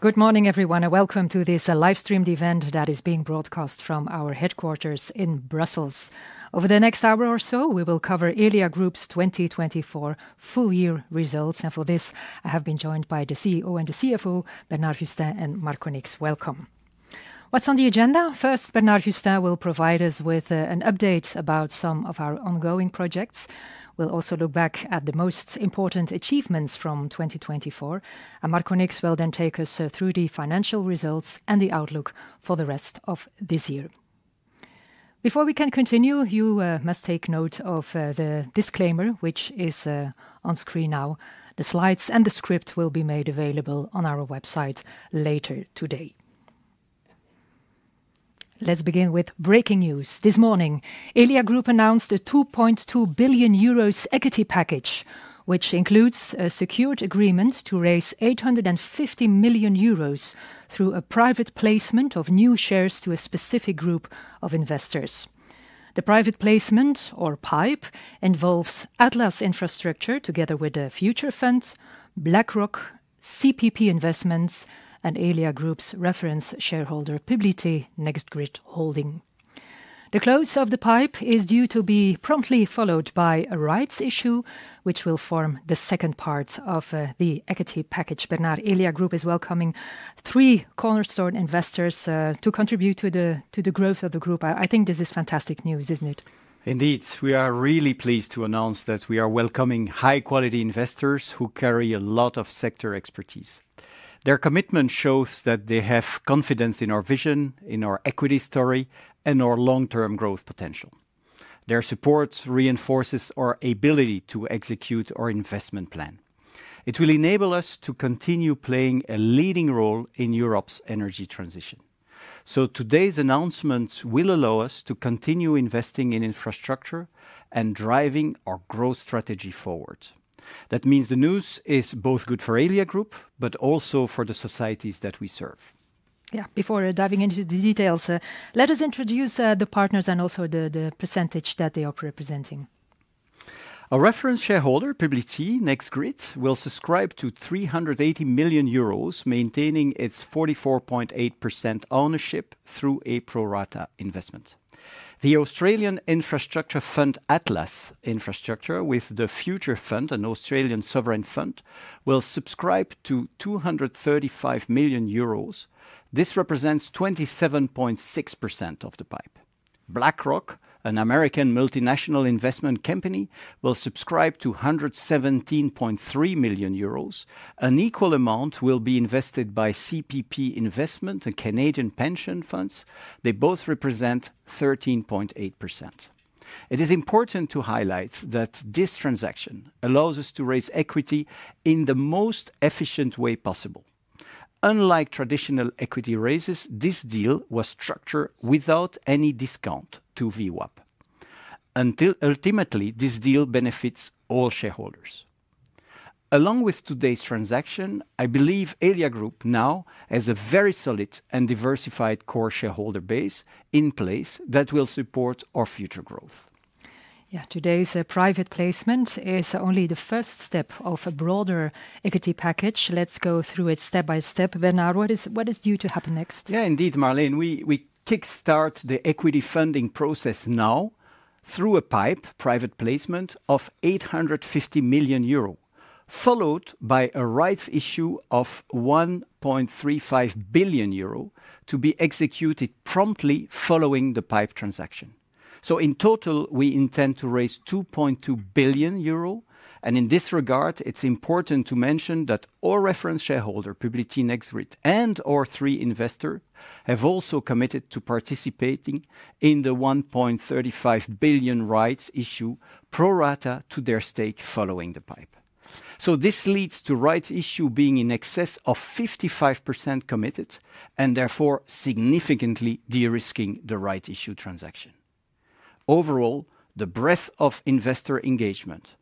Good morning, everyone, and welcome to this livestreamed event that is being broadcast from our headquarters in Brussels. Over the next hour or so, we will cover Elia Group's 2024 Full Year Results. For this, I have been joined by the CEO and the CFO, Bernard Gustin and Marco Nix. Welcome. What's on the agenda? First, Bernard Gustin will provide us with an update about some of our ongoing projects. We will also look back at the most important achievements from 2024. Marco Nix will then take us through the financial results and the outlook for the rest of this year. Before we can continue, you must take note of the disclaimer, which is on screen now. The slides and the script will be made available on our website later today. Let's begin with breaking news. This morning, Elia Group announced a 2.2 billion euros equity package, which includes a secured agreement to raise 850 million euros through a private placement of new shares to a specific group of investors. The private placement, or PIPE, involves Atlas Infrastructure together with the Future Fund, BlackRock, CPP Investments, and Elia Group's reference shareholder, Publi-T, NextGrid Holding. The close of the PIPE is due to be promptly followed by a rights issue, which will form the second part of the equity package. Bernard, Elia Group is welcoming three cornerstone investors to contribute to the growth of the group. I think this is fantastic news, isn't it? Indeed. We are really pleased to announce that we are welcoming high-quality investors who carry a lot of sector expertise. Their commitment shows that they have confidence in our vision, in our equity story, and our long-term growth potential. Their support reinforces our ability to execute our investment plan. It will enable us to continue playing a leading role in Europe's energy transition. Today's announcement will allow us to continue investing in infrastructure and driving our growth strategy forward. That means the news is both good for Elia Group, but also for the societies that we serve. Yeah, before diving into the details, let us introduce the partners and also the percentage that they are representing. Our reference shareholder, Publi-T NextGrid, will subscribe to 380 million euros, maintaining its 44.8% ownership through a pro-rata investment. The Australian infrastructure fund, Atlas Infrastructure, with The Future Fund, an Australian sovereign fund, will subscribe to 235 million euros. This represents 27.6% of the PIPE. BlackRock, an American multinational investment company, will subscribe to 117.3 million euros. An equal amount will be invested by CPP Investments and Canadian pension funds. They both represent 13.8%. It is important to highlight that this transaction allows us to raise equity in the most efficient way possible. Unlike traditional equity raises, this deal was structured without any discount to VWAP. Ultimately, this deal benefits all shareholders. Along with today's transaction, I believe Elia Group now has a very solid and diversified core shareholder base in place that will support our future growth. Yeah, today's private placement is only the first step of a broader equity package. Let's go through it step by step. Bernard, what is due to happen next? Yeah, indeed, Marleen, we kickstart the equity funding process now through a PIPE private placement of 850 million euro, followed by a rights issue of 1.35 billion euro to be executed promptly following the PIPE transaction. In total, we intend to raise 2.2 billion euro. In this regard, it is important to mention that all reference shareholders, Publi-T, NextGrid and our three investors, have also committed to participating in the 1.35 billion rights issue pro rata to their stake following the PIPE. This leads to rights issues being in excess of 55% committed and therefore significantly de-risking the rights issue transaction. Overall, the breadth of investor engagement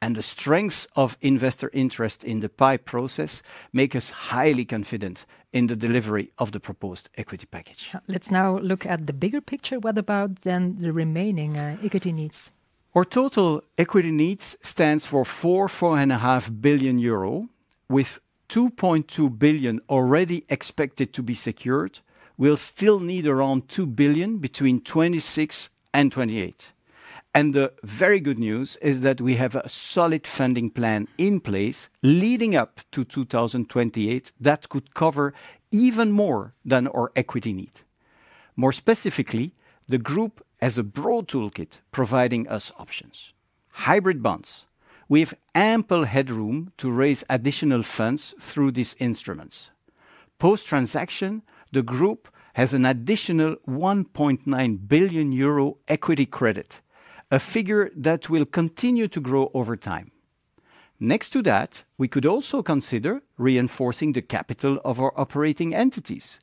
and the strengths of investor interest in the PIPE process make us highly confident in the delivery of the proposed equity package. Let's now look at the bigger picture. What about then the remaining equity needs? Our total equity needs stand for 4.5 billion euro, with 2.2 billion already expected to be secured. We'll still need around 2 billion between 2026 and 2028. The very good news is that we have a solid funding plan in place leading up to 2028 that could cover even more than our equity need. More specifically, the group has a broad toolkit providing us options: hybrid bonds. We have ample headroom to raise additional funds through these instruments. Post-transaction, the group has an additional 1.9 billion euro equity credit, a figure that will continue to grow over time. Next to that, we could also consider reinforcing the capital of our operating entities.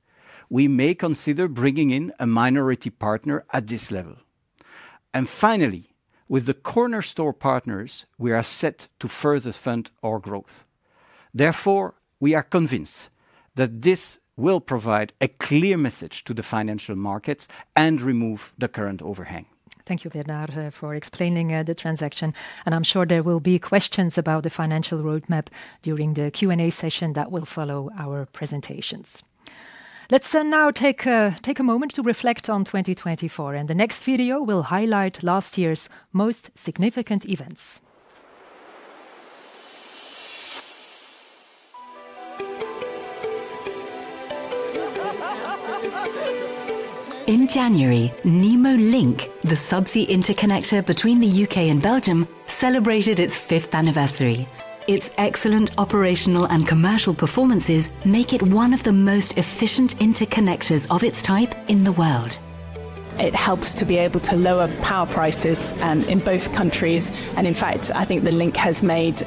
We may consider bringing in a minority partner at this level. Finally, with the cornerstone partners, we are set to further fund our growth. Therefore, we are convinced that this will provide a clear message to the financial markets and remove the current overhang. Thank you, Bernard, for explaining the transaction. I am sure there will be questions about the financial roadmap during the Q&A session that will follow our presentations. Let's now take a moment to reflect on 2024. The next video will highlight last year's most significant events. In January, NEMO Link, the subsea interconnector between the U.K. and Belgium, celebrated its fifth anniversary. Its excellent operational and commercial performances make it one of the most efficient interconnectors of its type in the world. It helps to be able to lower power prices in both countries. In fact, I think the link has made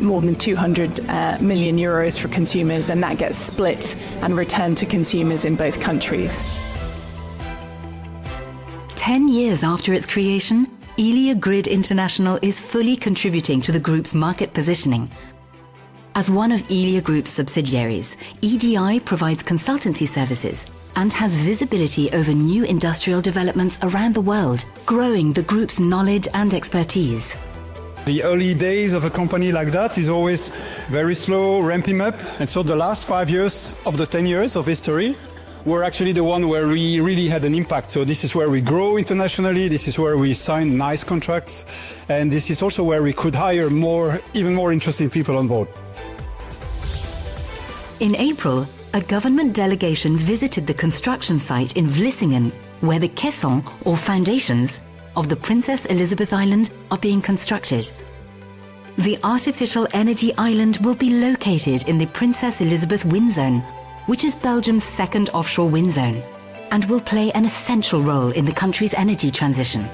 more than 200 million euros for consumers, and that gets split and returned to consumers in both countries. Ten years after its creation, Elia Grid International is fully contributing to the group's market positioning. As one of Elia Group's subsidiaries, EGI provides consultancy services and has visibility over new industrial developments around the world, growing the group's knowledge and expertise. The early days of a company like that are always very slow, ramping up. The last five years of the ten years of history were actually the ones where we really had an impact. This is where we grow internationally. This is where we sign nice contracts. This is also where we could hire even more interesting people on board. In April, a government delegation visited the construction site in Vlissingen, where the caissons, or foundations, of the Princess Elisabeth Island are being constructed. The artificial energy island will be located in the Princess Elisabeth Wind Zone, which is Belgium's second offshore wind zone, and will play an essential role in the country's energy transition.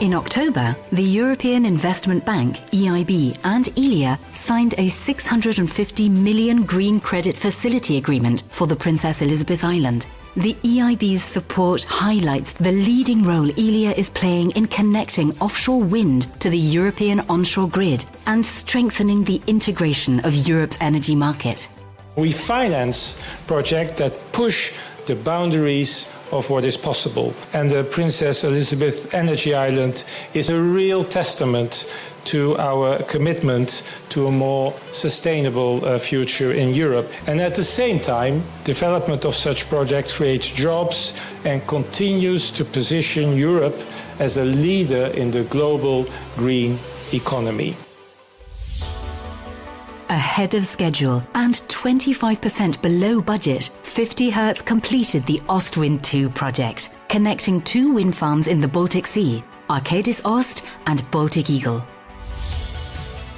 In October, the European Investment Bank, EIB, and Elia signed a 650 million green credit facility agreement for the Princess Elisabeth Island. The EIB's support highlights the leading role Elia is playing in connecting offshore wind to the European onshore grid and strengthening the integration of Europe's energy market. We finance projects that push the boundaries of what is possible. The Princess Elisabeth Energy Island is a real testament to our commitment to a more sustainable future in Europe. At the same time, the development of such projects creates jobs and continues to position Europe as a leader in the global green economy. Ahead of schedule and 25% below budget, 50Hertz completed the Ostwind 2 project, connecting two wind farms in the Baltic Sea, Arcadis Ost and Baltic Eagle.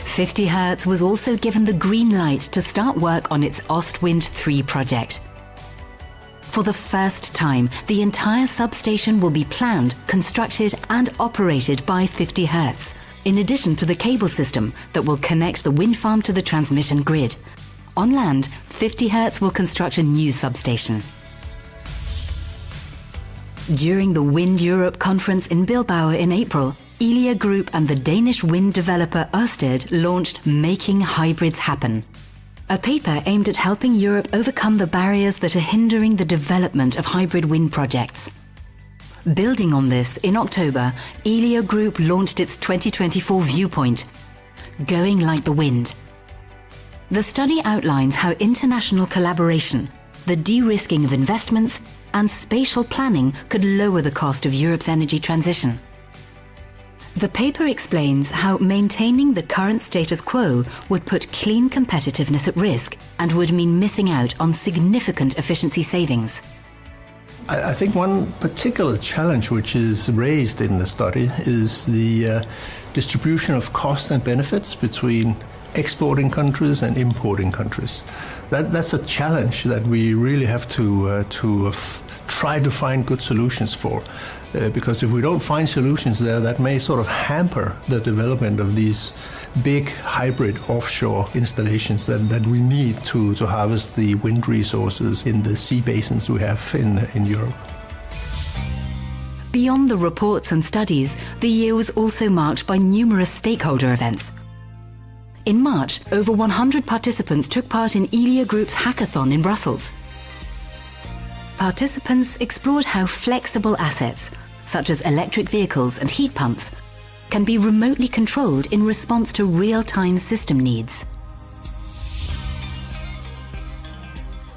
50Hertz was also given the green light to start work on its Ostwind 3 project. For the first time, the entire substation will be planned, constructed, and operated by 50Hertz, in addition to the cable system that will connect the wind farm to the transmission grid. On land, 50Hertz will construct a new substation. During the Wind Europe Conference in Bilbao in April, Elia Group and the Danish wind developer Ørsted launched Making Hybrids Happen, a paper aimed at helping Europe overcome the barriers that are hindering the development of hybrid wind projects. Building on this, in October, Elia Group launched its 2024 viewpoint, Going Like the Wind. The study outlines how international collaboration, the de-risking of investments, and spatial planning could lower the cost of Europe's energy transition. The paper explains how maintaining the current status quo would put clean competitiveness at risk and would mean missing out on significant efficiency savings. I think one particular challenge which is raised in the study is the distribution of costs and benefits between exporting countries and importing countries. That's a challenge that we really have to try to find good solutions for. Because if we don't find solutions there, that may sort of hamper the development of these big hybrid offshore installations that we need to harvest the wind resources in the sea basins we have in Europe. Beyond the reports and studies, the year was also marked by numerous stakeholder events. In March, over 100 participants took part in Elia Group's hackathon in Brussels. Participants explored how flexible assets, such as electric vehicles and heat pumps, can be remotely controlled in response to real-time system needs.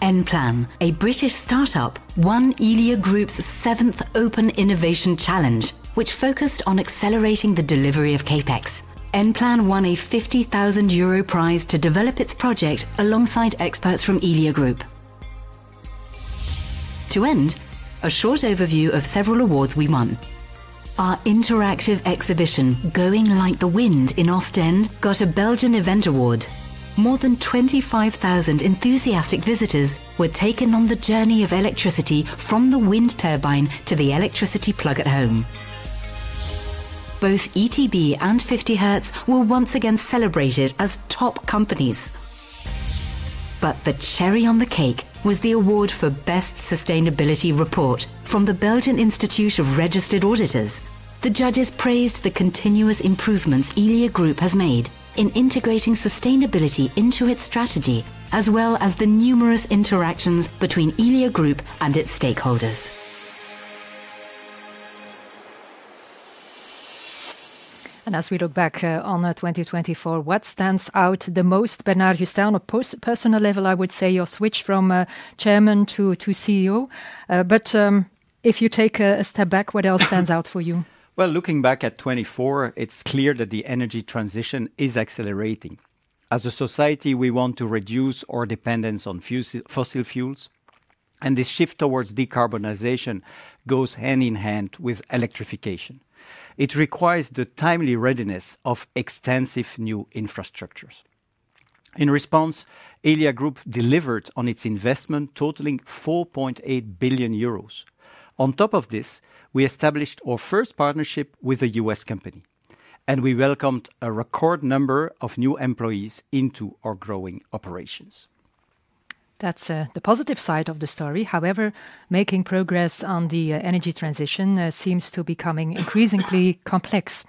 Enplan, a British startup, won Elia Group's seventh open innovation challenge, which focused on accelerating the delivery of CapEx. Enplan won a EUR 50,000 prize to develop its project alongside experts from Elia Group. To end, a short overview of several awards we won. Our interactive exhibition, Going Like the Wind in Ostende, got a Belgian event award. More than 25,000 enthusiastic visitors were taken on the journey of electricity from the wind turbine to the electricity plug at home. Both ETB and 50Hertz were once again celebrated as top companies. The cherry on the cake was the award for Best Sustainability Report from the Belgian Institute of Registered Auditors. The judges praised the continuous improvements Elia Group has made in integrating sustainability into its strategy, as well as the numerous interactions between Elia Group and its stakeholders. As we look back on 2024, what stands out the most, Bernard Gustin, on a personal level, I would say your switch from Chairman to CEO. If you take a step back, what else stands out for you? Looking back at 2024, it's clear that the energy transition is accelerating. As a society, we want to reduce our dependence on fossil fuels. This shift towards decarbonization goes hand in hand with electrification. It requires the timely readiness of extensive new infrastructures. In response, Elia Group delivered on its investment, totaling 4.8 billion euros. On top of this, we established our first partnership with a U.S. company. We welcomed a record number of new employees into our growing operations. That's the positive side of the story. However, making progress on the energy transition seems to be becoming increasingly complex.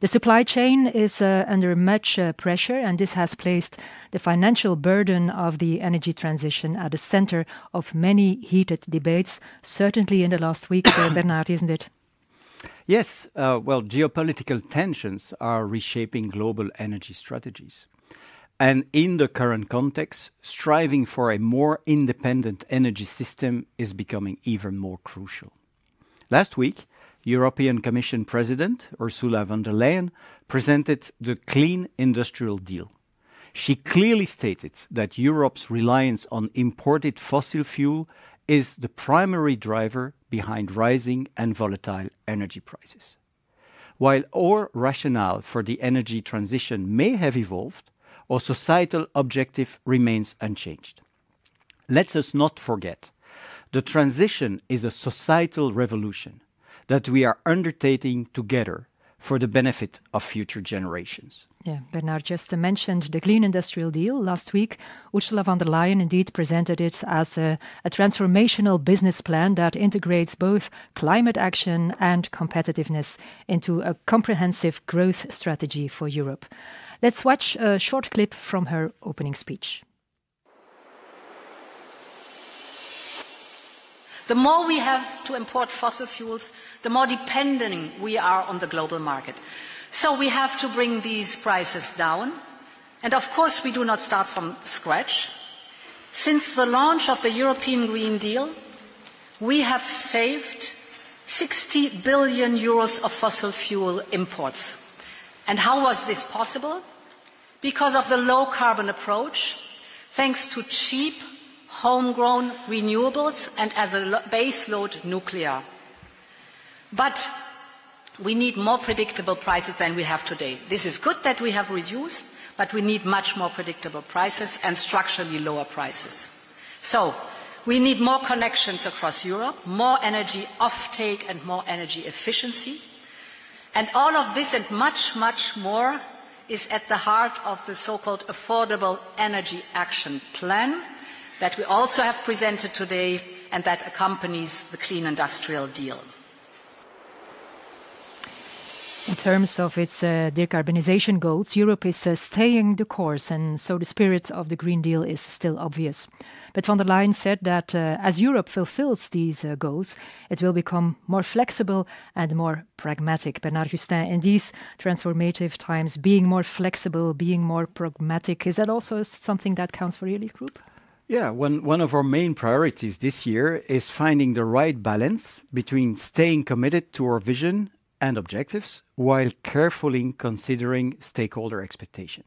The supply chain is under much pressure, and this has placed the financial burden of the energy transition at the center of many heated debates, certainly in the last week, Bernard, isn't it? Yes. Geopolitical tensions are reshaping global energy strategies. In the current context, striving for a more independent energy system is becoming even more crucial. Last week, European Commission President Ursula von der Leyen presented the Clean Industrial Deal. She clearly stated that Europe's reliance on imported fossil fuel is the primary driver behind rising and volatile energy prices. While our rationale for the energy transition may have evolved, our societal objective remains unchanged. Let us not forget the transition is a societal revolution that we are undertaking together for the benefit of future generations. Yeah, Bernard just mentioned the Clean Industrial Deal last week. Ursula von der Leyen indeed presented it as a transformational business plan that integrates both climate action and competitiveness into a comprehensive growth strategy for Europe. Let's watch a short clip from her opening speech. The more we have to import fossil fuels, the more dependent we are on the global market. We have to bring these prices down. Of course, we do not start from scratch. Since the launch of the European Green Deal, we have saved 60 billion euros of fossil fuel imports. How was this possible? Because of the low carbon approach, thanks to cheap homegrown renewables and as a baseload nuclear. We need more predictable prices than we have today. This is good that we have reduced, but we need much more predictable prices and structurally lower prices. We need more connections across Europe, more energy offtake and more energy efficiency. All of this and much, much more is at the heart of the so-called Affordable Energy Action Plan that we also have presented today and that accompanies the Clean Industrial Deal. In terms of its decarbonization goals, Europe is staying the course. The spirit of the Green Deal is still obvious. Ursula von der Leyen said that as Europe fulfills these goals, it will become more flexible and more pragmatic. Bernard Gustin, in these transformative times, being more flexible, being more pragmatic, is that also something that counts for Elia Group? Yeah. One of our main priorities this year is finding the right balance between staying committed to our vision and objectives while carefully considering stakeholder expectations.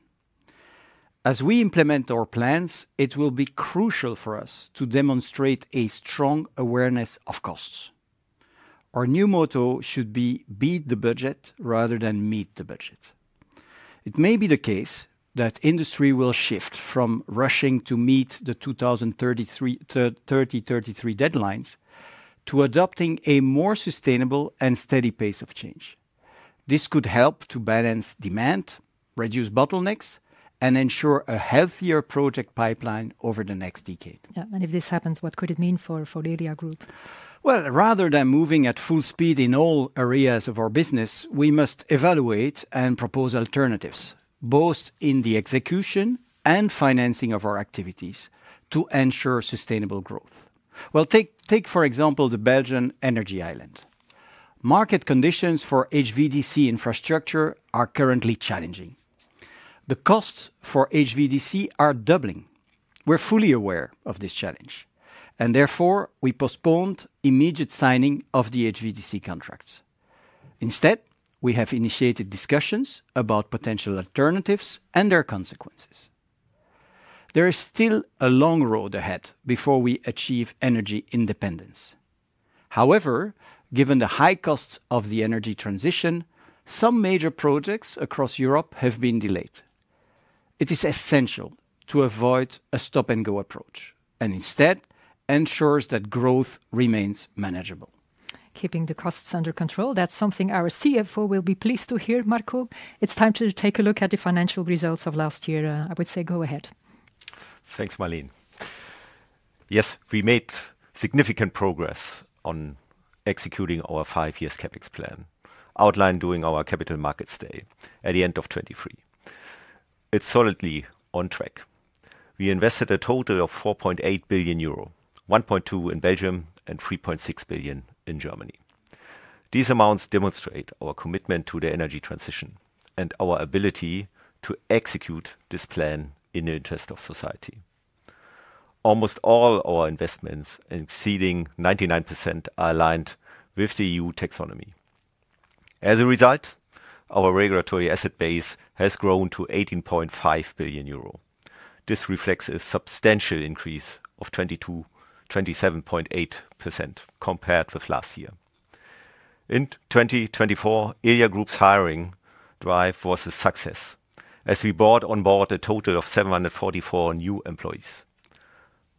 As we implement our plans, it will be crucial for us to demonstrate a strong awareness of costs. Our new motto should be "Beat the Budget" rather than "Meet the Budget." It may be the case that industry will shift from rushing to meet the 2030-2033 deadlines to adopting a more sustainable and steady pace of change. This could help to balance demand, reduce bottlenecks, and ensure a healthier project pipeline over the next decade. Yeah. If this happens, what could it mean for Elia Group? Rather than moving at full speed in all areas of our business, we must evaluate and propose alternatives, both in the execution and financing of our activities, to ensure sustainable growth. Take for example the Belgian energy island. Market conditions for HVDC infrastructure are currently challenging. The costs for HVDC are doubling. We're fully aware of this challenge. Therefore, we postponed immediate signing of the HVDC contracts. Instead, we have initiated discussions about potential alternatives and their consequences. There is still a long road ahead before we achieve energy independence. However, given the high costs of the energy transition, some major projects across Europe have been delayed. It is essential to avoid a stop-and-go approach and instead ensure that growth remains manageable. Keeping the costs under control, that's something our CFO will be pleased to hear, Marco. It's time to take a look at the financial results of last year. I would say go ahead. Thanks, Marleen. Yes, we made significant progress on executing our five-year CapEx plan, outlined during our Capital Markets Day at the end of 2023. It's solidly on track. We invested a total of 4.8 billion euro, 1.2 billion in Belgium and 3.6 billion in Germany. These amounts demonstrate our commitment to the energy transition and our ability to execute this plan in the interest of society. Almost all our investments, exceeding 99%, are aligned with the EU taxonomy. As a result, our regulatory asset base has grown to 18.5 billion euro. This reflects a substantial increase of 27.8% compared with last year. In 2024, Elia Group's hiring drive was a success as we brought on board a total of 744 new employees.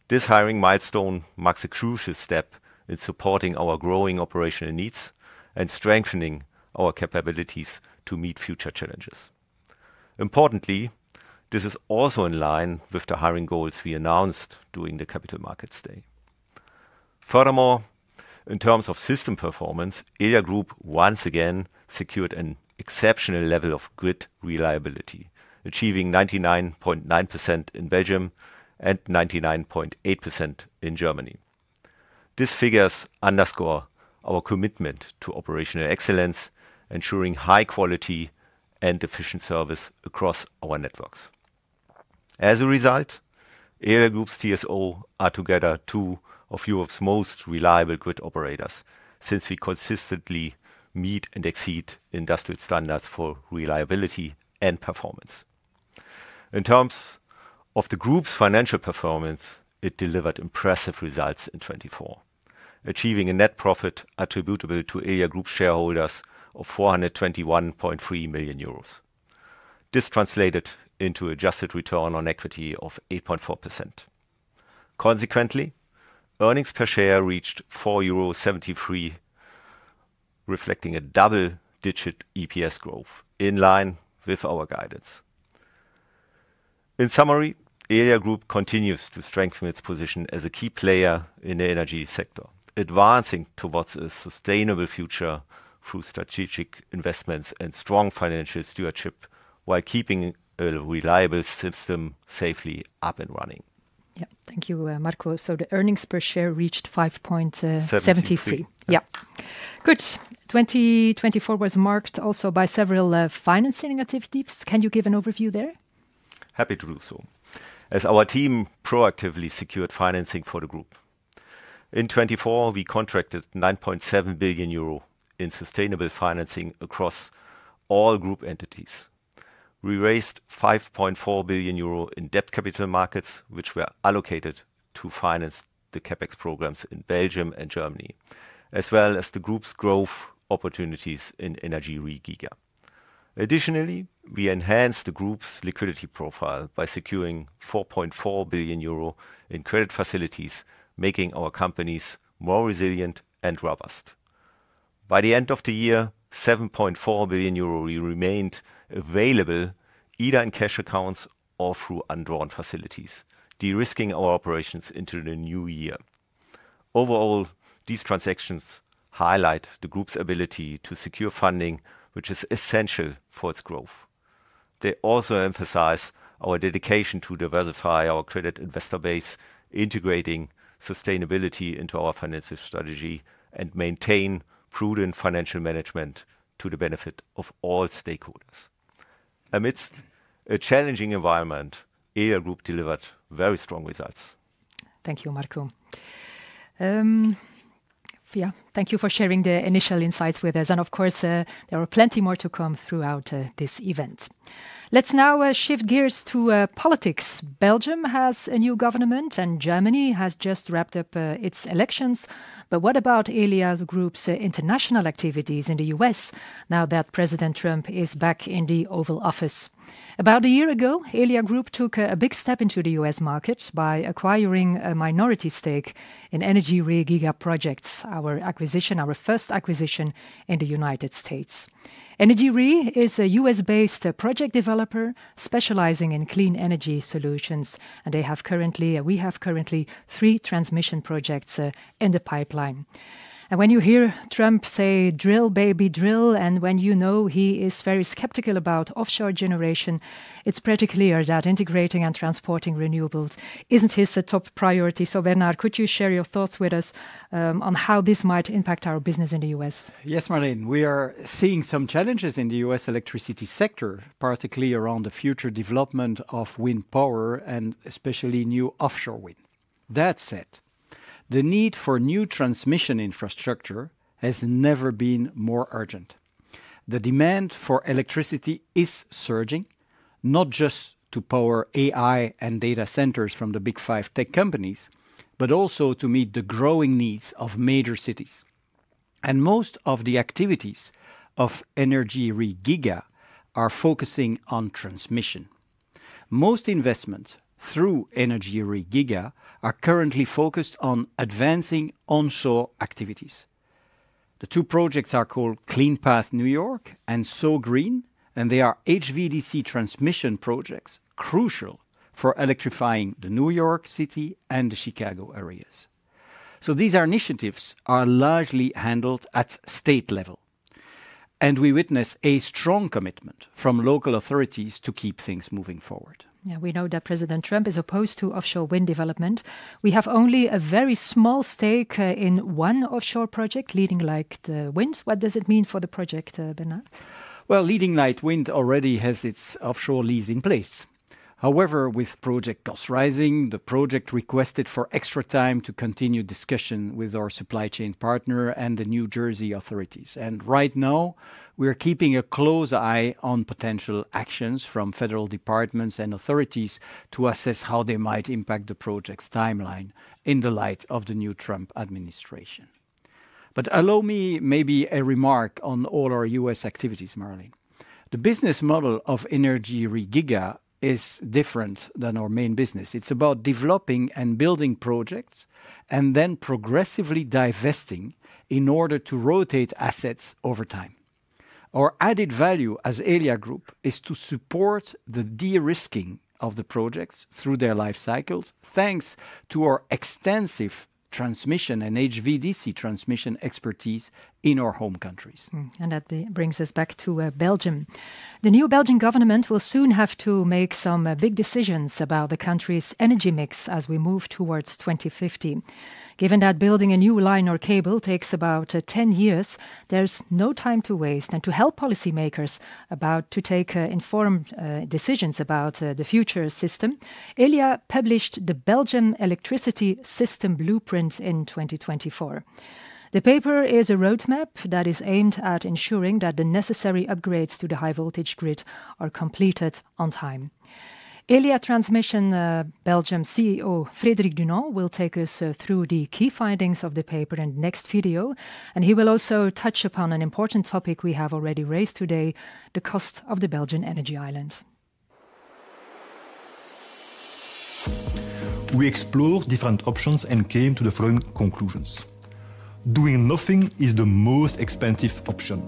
This hiring milestone marks a crucial step in supporting our growing operational needs and strengthening our capabilities to meet future challenges. Importantly, this is also in line with the hiring goals we announced during the Capital Markets Day. Furthermore, in terms of system performance, Elia Group once again secured an exceptional level of grid reliability, achieving 99.9% in Belgium and 99.8% in Germany. These figures underscore our commitment to operational excellence, ensuring high quality and efficient service across our networks. As a result, Elia Group's TSOs are together two of Europe's most reliable grid operators since we consistently meet and exceed industrial standards for reliability and performance. In terms of the group's financial performance, it delivered impressive results in 2024, achieving a net profit attributable to Elia Group shareholders of 421.3 million euros. This translated into an adjusted return on equity of 8.4%. Consequently, earnings per share reached 4.73 euro, reflecting a double-digit EPS growth in line with our guidance. In summary, Elia Group continues to strengthen its position as a key player in the energy sector, advancing towards a sustainable future through strategic investments and strong financial stewardship while keeping a reliable system safely up and running. Yeah. Thank you, Marco. The earnings per share reached 5.73. 73. Yeah. Good. 2024 was marked also by several financing activities. Can you give an overview there? Happy to do so, as our team proactively secured financing for the group. In 2024, we contracted 9.7 billion euro in sustainable financing across all group entities. We raised 5.4 billion euro in debt capital markets, which were allocated to finance the CapEx programs in Belgium and Germany, as well as the group's growth opportunities in energyRe Giga. Additionally, we enhanced the group's liquidity profile by securing 4.4 billion euro in credit facilities, making our companies more resilient and robust. By the end of the year, 7.4 billion euro remained available either in cash accounts or through undrawn facilities, de-risking our operations into the new year. Overall, these transactions highlight the group's ability to secure funding, which is essential for its growth. They also emphasize our dedication to diversify our credit investor base, integrating sustainability into our financial strategy, and maintain prudent financial management to the benefit of all stakeholders. Amidst a challenging environment, Elia Group delivered very strong results. Thank you, Marco. Yeah, thank you for sharing the initial insights with us. Of course, there are plenty more to come throughout this event. Let's now shift gears to politics. Belgium has a new government, and Germany has just wrapped up its elections. What about Elia Group's international activities in the U.S. now that President Trump is back in the Oval Office? About a year ago, Elia Group took a big step into the U.S. market by acquiring a minority stake in energyRe Giga projects, our acquisition, our first acquisition in the United States. energyRe is a U.S.-based project developer specializing in clean energy solutions. They have currently, we have currently three transmission projects in the pipeline. When you hear Trump say, "Drill, baby, drill," and when you know he is very skeptical about offshore generation, it's pretty clear that integrating and transporting renewables isn't his top priority. Bernard, could you share your thoughts with us on how this might impact our business in the U.S.? Yes, Marleen, we are seeing some challenges in the U.S. electricity sector, particularly around the future development of wind power and especially new offshore wind. That said, the need for new transmission infrastructure has never been more urgent. The demand for electricity is surging, not just to power AI and data centers from the big five tech companies, but also to meet the growing needs of major cities. Most of the activities of energyRe Giga are focusing on transmission. Most investments through energyRe Giga are currently focused on advancing onshore activities. The two projects are called Clean Path New York and SOO Green, and they are HVDC transmission projects crucial for electrifying the New York City and the Chicago areas. These initiatives are largely handled at state level, and we witness a strong commitment from local authorities to keep things moving forward. Yeah, we know that President Trump is opposed to offshore wind development. We have only a very small stake in one offshore project, Leading Light Wind. What does it mean for the project, Bernard? Leading Light Wind already has its offshore lease in place. However, with project costs rising, the project requested extra time to continue discussion with our supply chain partner and the New Jersey authorities. Right now, we are keeping a close eye on potential actions from federal departments and authorities to assess how they might impact the project's timeline in the light of the new Trump administration. Allow me maybe a remark on all our U.S. activities, Marleen. The business model of energyRe Giga is different than our main business. It's about developing and building projects and then progressively divesting in order to rotate assets over time. Our added value as Elia Group is to support the de-risking of the projects through their life cycles, thanks to our extensive transmission and HVDC transmission expertise in our home countries. That brings us back to Belgium. The new Belgian government will soon have to make some big decisions about the country's energy mix as we move towards 2050. Given that building a new line or cable takes about 10 years, there is no time to waste. To help policymakers about to take informed decisions about the future system, Elia published the Belgian Electricity System Blueprint in 2024. The paper is a roadmap that is aimed at ensuring that the necessary upgrades to the high voltage grid are completed on time. Elia Transmission Belgium CEO Frédéric Dunon will take us through the key findings of the paper in the next video, and he will also touch upon an important topic we have already raised today, the cost of the Belgian energy island. We explored different options and came to the following conclusions. Doing nothing is the most expensive option.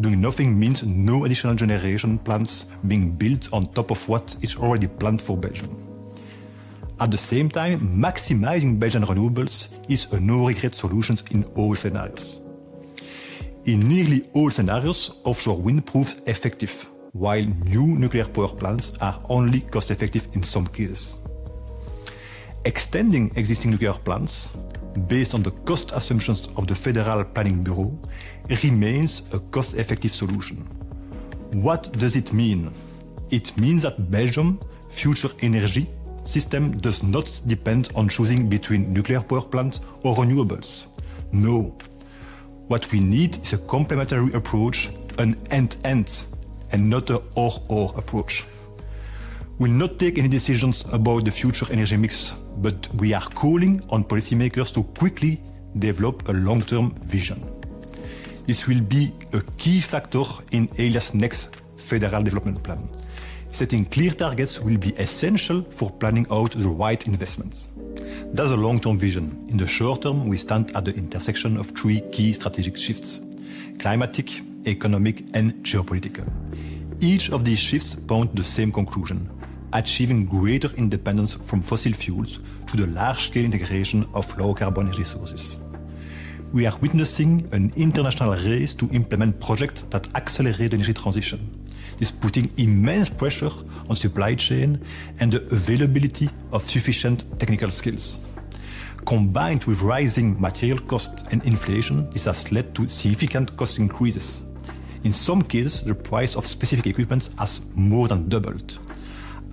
Doing nothing means no additional generation plants being built on top of what is already planned for Belgium. At the same time, maximizing Belgian renewables is a no-regret solution in all scenarios. In nearly all scenarios, offshore wind proves effective, while new nuclear power plants are only cost-effective in some cases. Extending existing nuclear plants, based on the cost assumptions of the Federal Planning Bureau, remains a cost-effective solution. What does it mean? It means that Belgium's future energy system does not depend on choosing between nuclear power plants or renewables. No. What we need is a complementary approach, an end-end, and not an or-or approach. We will not take any decisions about the future energy mix, but we are calling on policymakers to quickly develop a long-term vision. This will be a key factor in Elia's next federal development plan. Setting clear targets will be essential for planning out the right investments. That's a long-term vision. In the short term, we stand at the intersection of three key strategic shifts: climatic, economic, and geopolitical. Each of these shifts points to the same conclusion: achieving greater independence from fossil fuels to the large-scale integration of low-carbon energy sources. We are witnessing an international race to implement projects that accelerate the energy transition. This is putting immense pressure on the supply chain and the availability of sufficient technical skills. Combined with rising material costs and inflation, this has led to significant cost increases. In some cases, the price of specific equipment has more than doubled.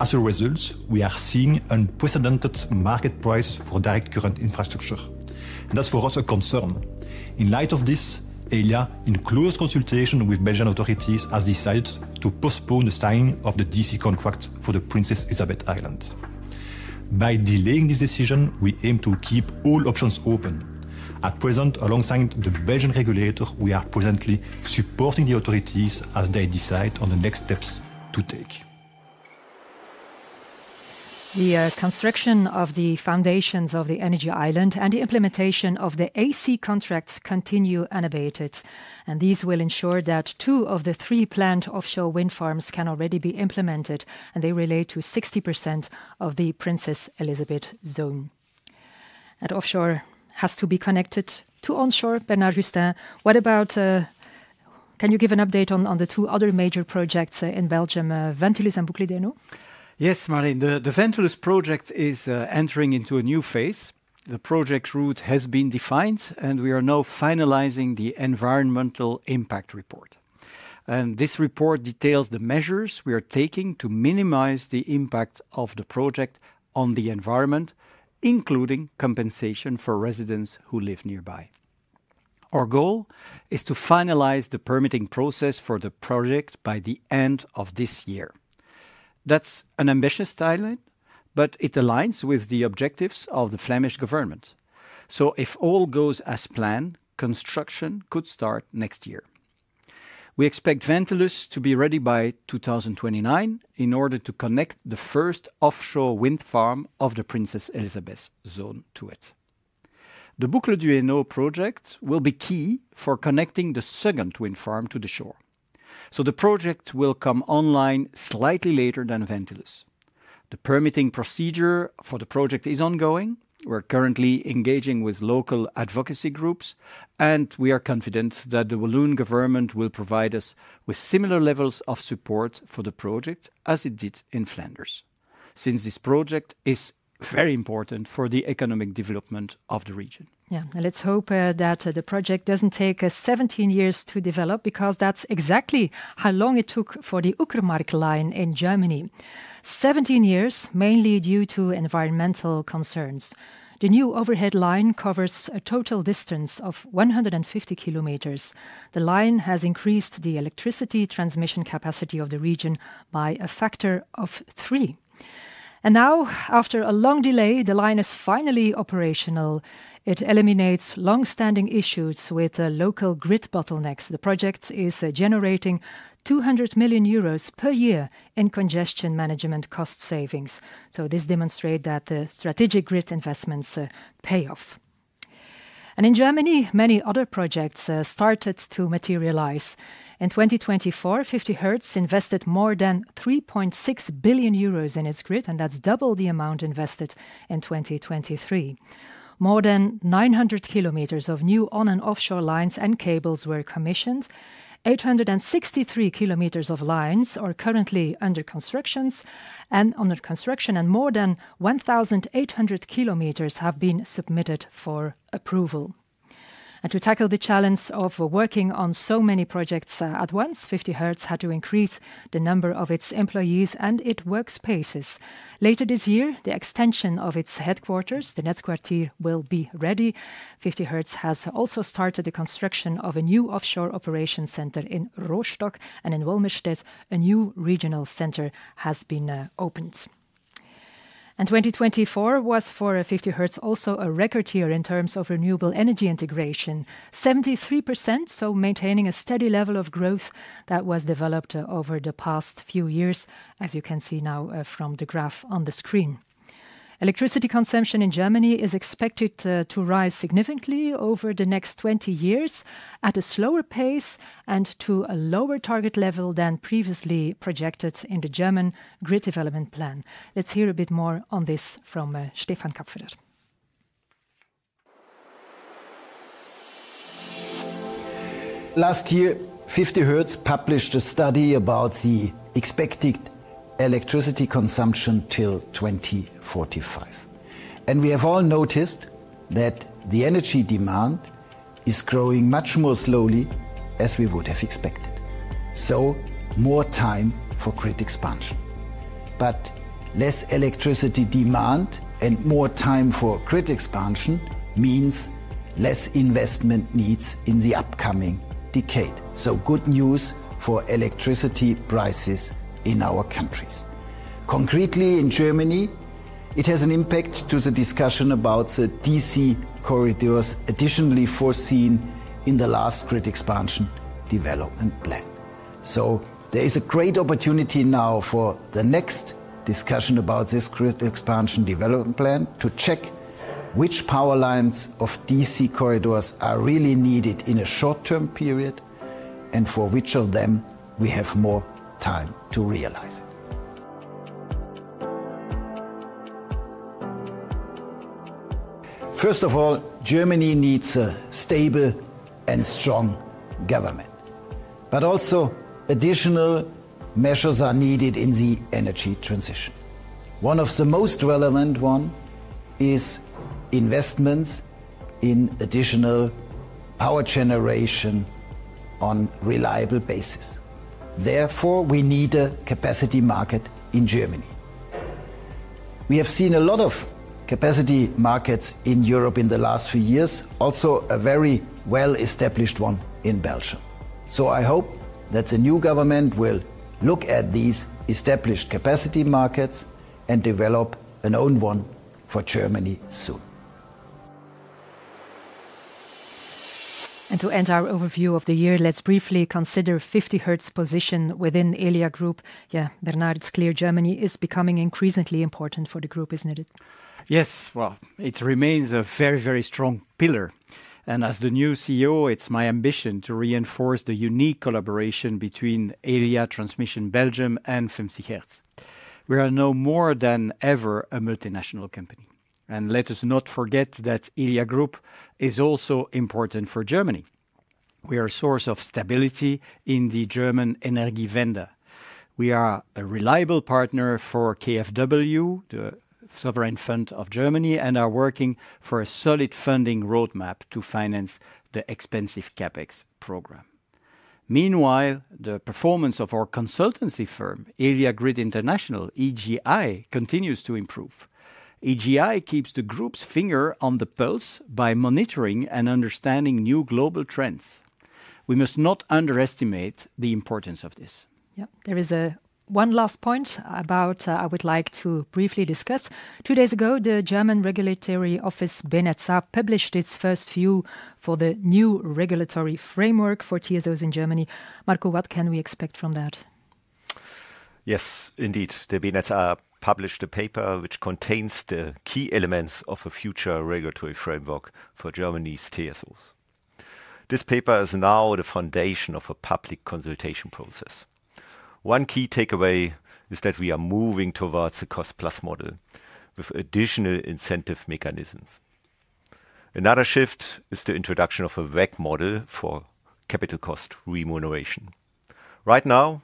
As a result, we are seeing unprecedented market prices for direct current infrastructure. That's for us a concern. In light of this, Elia, in close consultation with Belgian authorities, has decided to postpone the signing of the DC contract for the Princess Elisabeth Island. By delaying this decision, we aim to keep all options open. At present, alongside the Belgian regulator, we are presently supporting the authorities as they decide on the next steps to take. The construction of the foundations of the energy island and the implementation of the AC contracts continue unabated, and these will ensure that two of the three planned offshore wind farms can already be implemented, and they relate to 60% of the Princess Elisabeth Zone. Offshore has to be connected to onshore, Bernard Gustin. What about, can you give an update on the two other major projects in Belgium, Ventilus and Boucle Du Hainaut? Yes, Marleen, the Ventilus project is entering into a new phase. The project route has been defined, and we are now finalizing the environmental impact report. This report details the measures we are taking to minimize the impact of the project on the environment, including compensation for residents who live nearby. Our goal is to finalize the permitting process for the project by the end of this year. That is an ambitious timeline, but it aligns with the objectives of the Flemish government. If all goes as planned, construction could start next year. We expect Ventilus to be ready by 2029 in order to connect the first offshore wind farm of the Princess Elisabeth Zone to it. The Boucle Du Hainaut project will be key for connecting the second wind farm to the shore. The project will come online slightly later than Ventilus. The permitting procedure for the project is ongoing. We're currently engaging with local advocacy groups, and we are confident that the Walloon government will provide us with similar levels of support for the project as it did in Flanders, since this project is very important for the economic development of the region. Yeah, let's hope that the project doesn't take 17 years to develop, because that's exactly how long it took for the Uckermark line in Germany. 17 years, mainly due to environmental concerns. The new overhead line covers a total distance of 150 km. The line has increased the electricity transmission capacity of the region by a factor of three. Now, after a long delay, the line is finally operational. It eliminates long-standing issues with local grid bottlenecks. The project is generating 200 million euros per year in congestion management cost savings. This demonstrates that strategic grid investments pay off. In Germany, many other projects started to materialize. In 2024, 50Hertz invested more than 3.6 billion euros in its grid, and that's double the amount invested in 2023. More than 900 km of new on- and offshore lines and cables were commissioned. 863 km of lines are currently under construction, and more than 1,800 km have been submitted for approval. To tackle the challenge of working on so many projects at once, 50Hertz had to increase the number of its employees and its workspaces. Later this year, the extension of its headquarters, the Netzquartier, will be ready. 50Hertz has also started the construction of a new offshore operation center in Rostock, and in Wolmirstedt, a new regional center has been opened. In 2024, 50Hertz also had a record year in terms of renewable energy integration: 73%, maintaining a steady level of growth that was developed over the past few years, as you can see now from the graph on the screen. Electricity consumption in Germany is expected to rise significantly over the next 20 years at a slower pace and to a lower target level than previously projected in the German Grid Development Plan. Let's hear a bit more on this from Stefan Kapferer. Last year, 50Hertz published a study about the expected electricity consumption till 2045. We have all noticed that the energy demand is growing much more slowly as we would have expected. More time for grid expansion. Less electricity demand and more time for grid expansion means less investment needs in the upcoming decade. Good news for electricity prices in our countries. Concretely, in Germany, it has an impact on the discussion about the DC corridors additionally foreseen in the last grid expansion development plan. There is a great opportunity now for the next discussion about this grid expansion development plan to check which power lines of DC corridors are really needed in a short-term period and for which of them we have more time to realize it. First of all, Germany needs a stable and strong government, but also additional measures are needed in the energy transition. One of the most relevant ones is investments in additional power generation on a reliable basis. Therefore, we need a capacity market in Germany. We have seen a lot of capacity markets in Europe in the last few years, also a very well-established one in Belgium. I hope that the new government will look at these established capacity markets and develop an own one for Germany soon. To end our overview of the year, let's briefly consider 50Hertz's position within Elia Group. Yeah, Bernard, it's clear Germany is becoming increasingly important for the group, isn't it? Yes, it remains a very, very strong pillar. As the new CEO, it's my ambition to reinforce the unique collaboration between Elia Transmission Belgium and 50Hertz. We are now more than ever a multinational company. Let us not forget that Elia Group is also important for Germany. We are a source of stability in the German Energiewende. We are a reliable partner for KfW, the sovereign fund of Germany, and are working for a solid funding roadmap to finance the expensive CapEx program. Meanwhile, the performance of our consultancy firm, Elia Grid International, EGI, continues to improve. EGI keeps the group's finger on the pulse by monitoring and understanding new global trends. We must not underestimate the importance of this. Yeah, there is one last point about I would like to briefly discuss. Two days ago, the German regulatory office, BNetzA, published its first view for the new regulatory framework for TSOs in Germany. Marco, what can we expect from that? Yes, indeed. The BNetzA published a paper which contains the key elements of a future regulatory framework for Germany's TSOs. This paper is now the foundation of a public consultation process. One key takeaway is that we are moving towards a cost-plus model with additional incentive mechanisms. Another shift is the introduction of a WACC model for capital cost remuneration. Right now,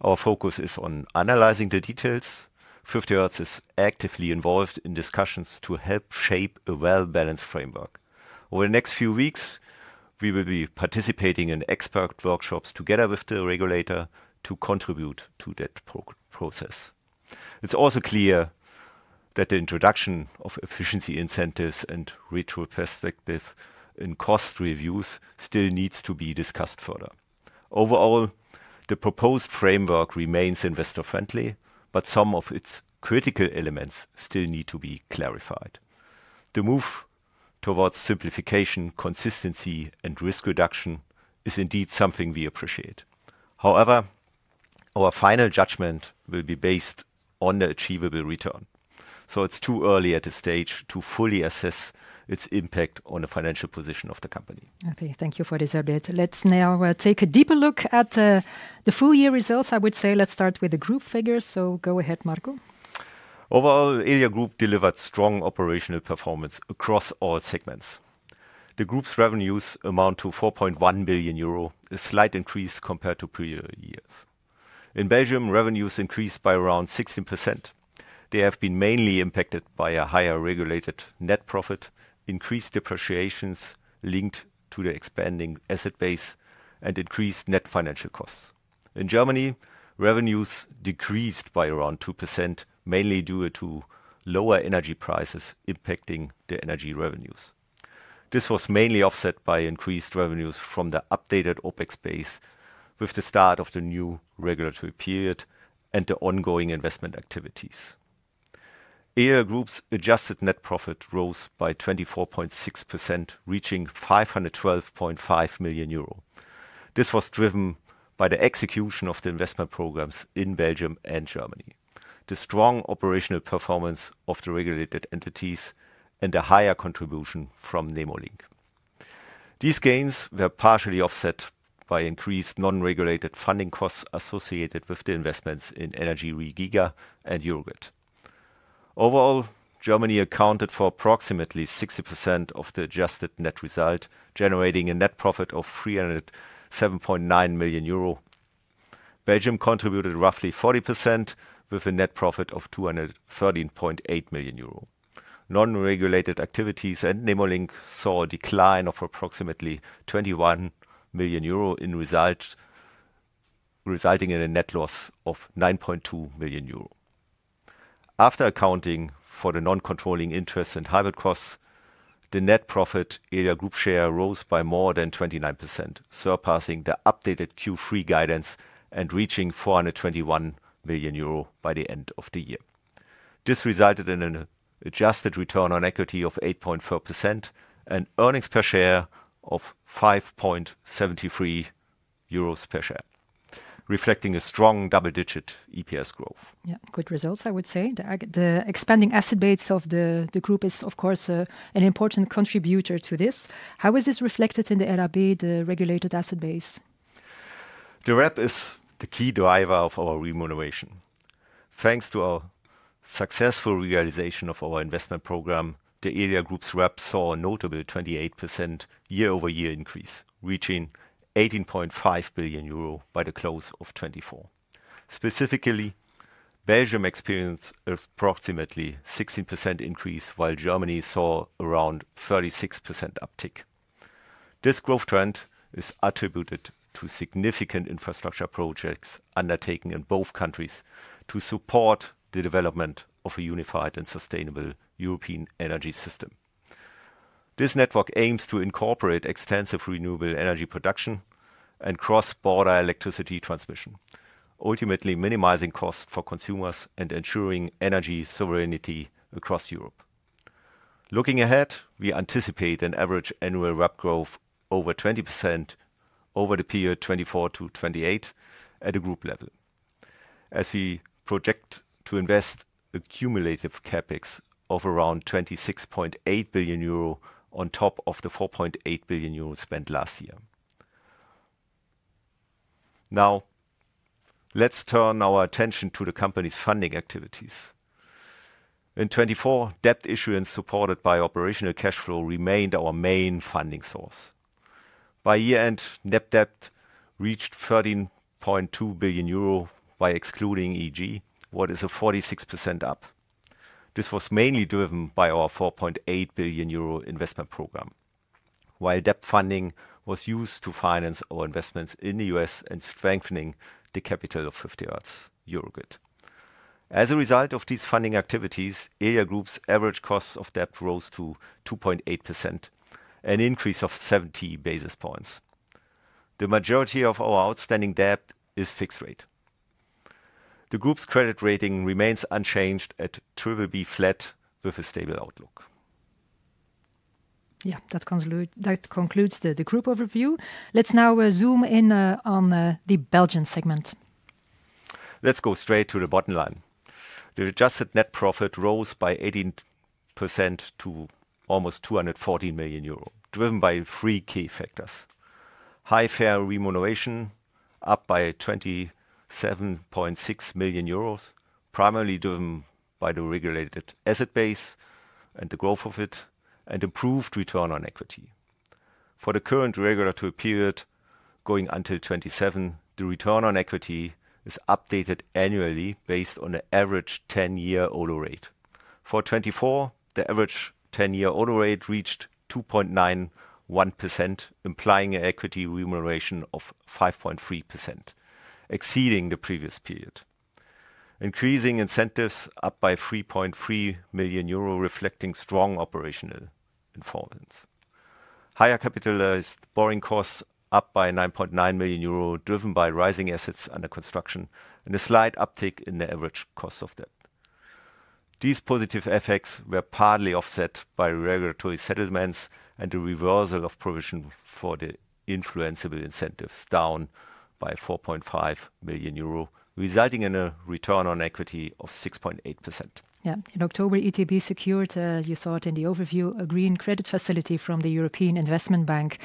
our focus is on analyzing the details. 50Hertz is actively involved in discussions to help shape a well-balanced framework. Over the next few weeks, we will be participating in expert workshops together with the regulator to contribute to that process. It's also clear that the introduction of efficiency incentives and retrospective in cost reviews still needs to be discussed further. Overall, the proposed framework remains investor-friendly, but some of its critical elements still need to be clarified. The move towards simplification, consistency, and risk reduction is indeed something we appreciate. However, our final judgment will be based on the achievable return. It is too early at this stage to fully assess its impact on the financial position of the company. Okay, thank you for this update. Let's now take a deeper look at the full year results. I would say let's start with the group figures. Go ahead, Marco. Overall, Elia Group delivered strong operational performance across all segments. The group's revenues amount to 4.1 billion euro, a slight increase compared to previous years. In Belgium, revenues increased by around 16%. They have been mainly impacted by a higher regulated net profit, increased depreciations linked to the expanding asset base, and increased net financial costs. In Germany, revenues decreased by around 2%, mainly due to lower energy prices impacting the energy revenues. This was mainly offset by increased revenues from the updated OpEx base with the start of the new regulatory period and the ongoing investment activities. Elia Group's adjusted net profit rose by 24.6%, reaching 512.5 million euro. This was driven by the execution of the investment programs in Belgium and Germany, the strong operational performance of the regulated entities, and the higher contribution from Nemo Link. These gains were partially offset by increased non-regulated funding costs associated with the investments in energyRe Giga and Eurogrid. Overall, Germany accounted for approximately 60% of the adjusted net result, generating a net profit of 307.9 million euro. Belgium contributed roughly 40% with a net profit of 213.8 million euro. Non-regulated activities and Nemo Link saw a decline of approximately 21 million euro in result, resulting in a net loss of 9.2 million euro. After accounting for the non-controlling interest and hybrid costs, the net profit Elia Group share rose by more than 29%, surpassing the updated Q3 guidance and reaching 421 million euro by the end of the year. This resulted in an adjusted return on equity of 8.4% and earnings per share of 5.73 euros per share, reflecting a strong double-digit EPS growth. Yeah, good results, I would say. The expanding asset base of the group is, of course, an important contributor to this. How is this reflected in the RAB, the regulated asset base? The RAB is the key driver of our remuneration. Thanks to our successful realization of our investment program, the Elia Group's RAB saw a notable 28% year-over-year increase, reaching 18.5 billion euro by the close of 2024. Specifically, Belgium experienced an approximately 16% increase, while Germany saw around a 36% uptick. This growth trend is attributed to significant infrastructure projects undertaken in both countries to support the development of a unified and sustainable European energy system. This network aims to incorporate extensive renewable energy production and cross-border electricity transmission, ultimately minimizing costs for consumers and ensuring energy sovereignty across Europe. Looking ahead, we anticipate an average annual RAB growth of over 20% over the period 2024 to 2028 at the group level, as we project to invest accumulative CapEx of around 26.8 billion euro on top of the 4.8 billion euro spent last year. Now, let's turn our attention to the company's funding activities. In 2024, debt issuance supported by operational cash flow remained our main funding source. By year-end, net debt reached 13.2 billion euro by excluding EG, what is a 46% up. This was mainly driven by our 4.8 billion euro investment program, while debt funding was used to finance our investments in the U.S. and strengthening the capital of 50Hertz, Eurogrid. As a result of these funding activities, Elia Group's average cost of debt rose to 2.8%, an increase of 70 basis points. The majority of our outstanding debt is fixed rate. The group's credit rating remains unchanged at BBB flat with a stable outlook. Yeah, that concludes the group overview. Let's now zoom in on the Belgian segment. Let's go straight to the bottom line. The adjusted net profit rose by 18% to almost 214 million euro, driven by three key factors: high fare remuneration, up by 27.6 million euros, primarily driven by the regulated asset base and the growth of it, and improved return on equity. For the current regulatory period going until 2027, the return on equity is updated annually based on the average 10-year OLO rate. For 2024, the average 10-year OLO rate reached 2.91%, implying an equity remuneration of 5.3%, exceeding the previous period. Increasing incentives up by 3.3 million euro, reflecting strong operational performance. Higher capitalized borrowing costs up by 9.9 million euro, driven by rising assets under construction and a slight uptick in the average cost of debt. These positive effects were partly offset by regulatory settlements and the reversal of provision for the influenceable incentives down by 4.5 million euro, resulting in a return on equity of 6.8%. Yeah, in October, ETB secured, you saw it in the overview, a green credit facility from the European Investment Bank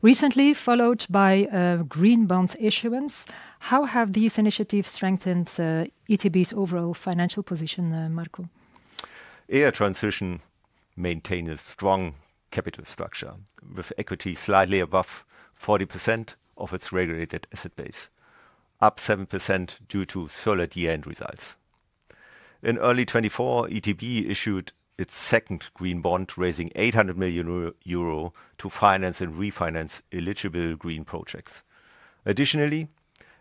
recently, followed by green bond issuance. How have these initiatives strengthened ETB's overall financial position, Marco? Elia Transmission Belgium maintains a strong capital structure with equity slightly above 40% of its regulated asset base, up 7% due to solid year-end results. In early 2024, ETB issued its second green bond, raising 800 million euro to finance and refinance eligible green projects. Additionally,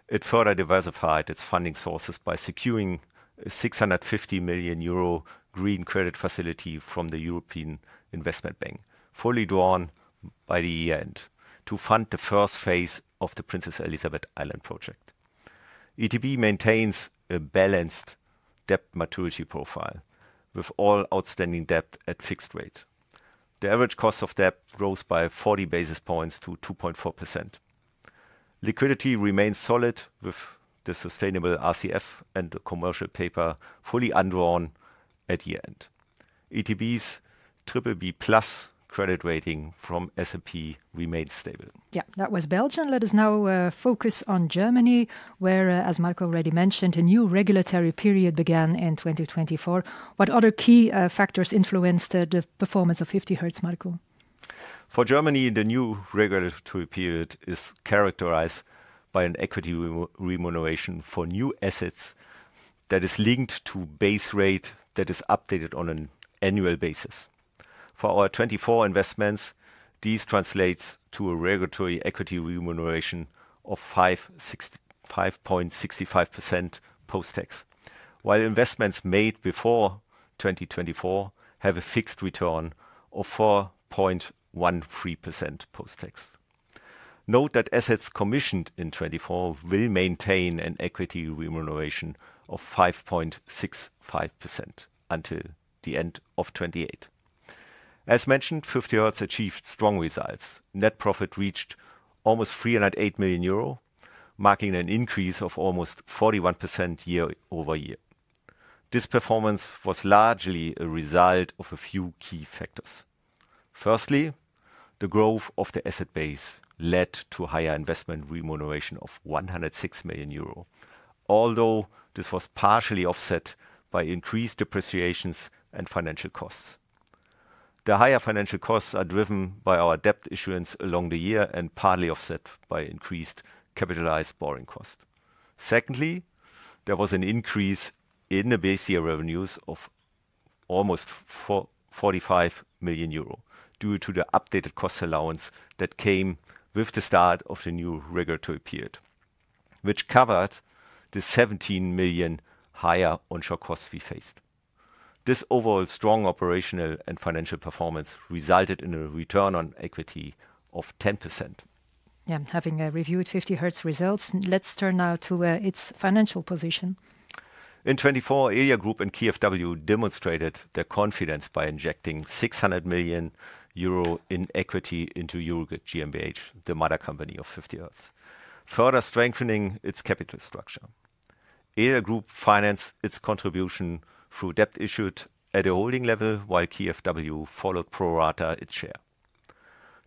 it further diversified its funding sources by securing a 650 million euro green credit facility from the European Investment Bank, fully drawn by the year-end, to fund the first phase of the Princess Elisabeth Island project. ETB maintains a balanced debt maturity profile with all outstanding debt at fixed rate. The average cost of debt rose by 40 basis points to 2.4%. Liquidity remains solid with the sustainable RCF and the commercial paper fully undrawn at year-end. ETB's BBB plus credit rating from S&P remains stable. Yeah, that was Belgium. Let us now focus on Germany, where, as Marco already mentioned, a new regulatory period began in 2024. What other key factors influenced the performance of 50Hertz, Marco? For Germany, the new regulatory period is characterized by an equity remuneration for new assets that is linked to a base rate that is updated on an annual basis. For our 2024 investments, this translates to a regulatory equity remuneration of 5.65% post-tax, while investments made before 2024 have a fixed return of 4.13% post-tax. Note that assets commissioned in 2024 will maintain an equity remuneration of 5.65% until the end of 2028. As mentioned, 50Hertz achieved strong results. Net profit reached almost 308 million euro, marking an increase of almost 41% year-over-year. This performance was largely a result of a few key factors. Firstly, the growth of the asset base led to a higher investment remuneration of 106 million euro, although this was partially offset by increased depreciations and financial costs. The higher financial costs are driven by our debt issuance along the year and partly offset by increased capitalized borrowing cost. Secondly, there was an increase in the base year revenues of almost 45 million euro due to the updated cost allowance that came with the start of the new regulatory period, which covered the 17 million higher onshore costs we faced. This overall strong operational and financial performance resulted in a return on equity of 10%. Yeah, having reviewed 50Hertz results, let's turn now to its financial position. In 2024, Elia Group and KfW demonstrated their confidence by injecting 600 million euro in equity into Eurogrid GmbH, the mother company of 50Hertz, further strengthening its capital structure. Elia Group financed its contribution through debt issued at a holding level, while KfW followed pro rata its share.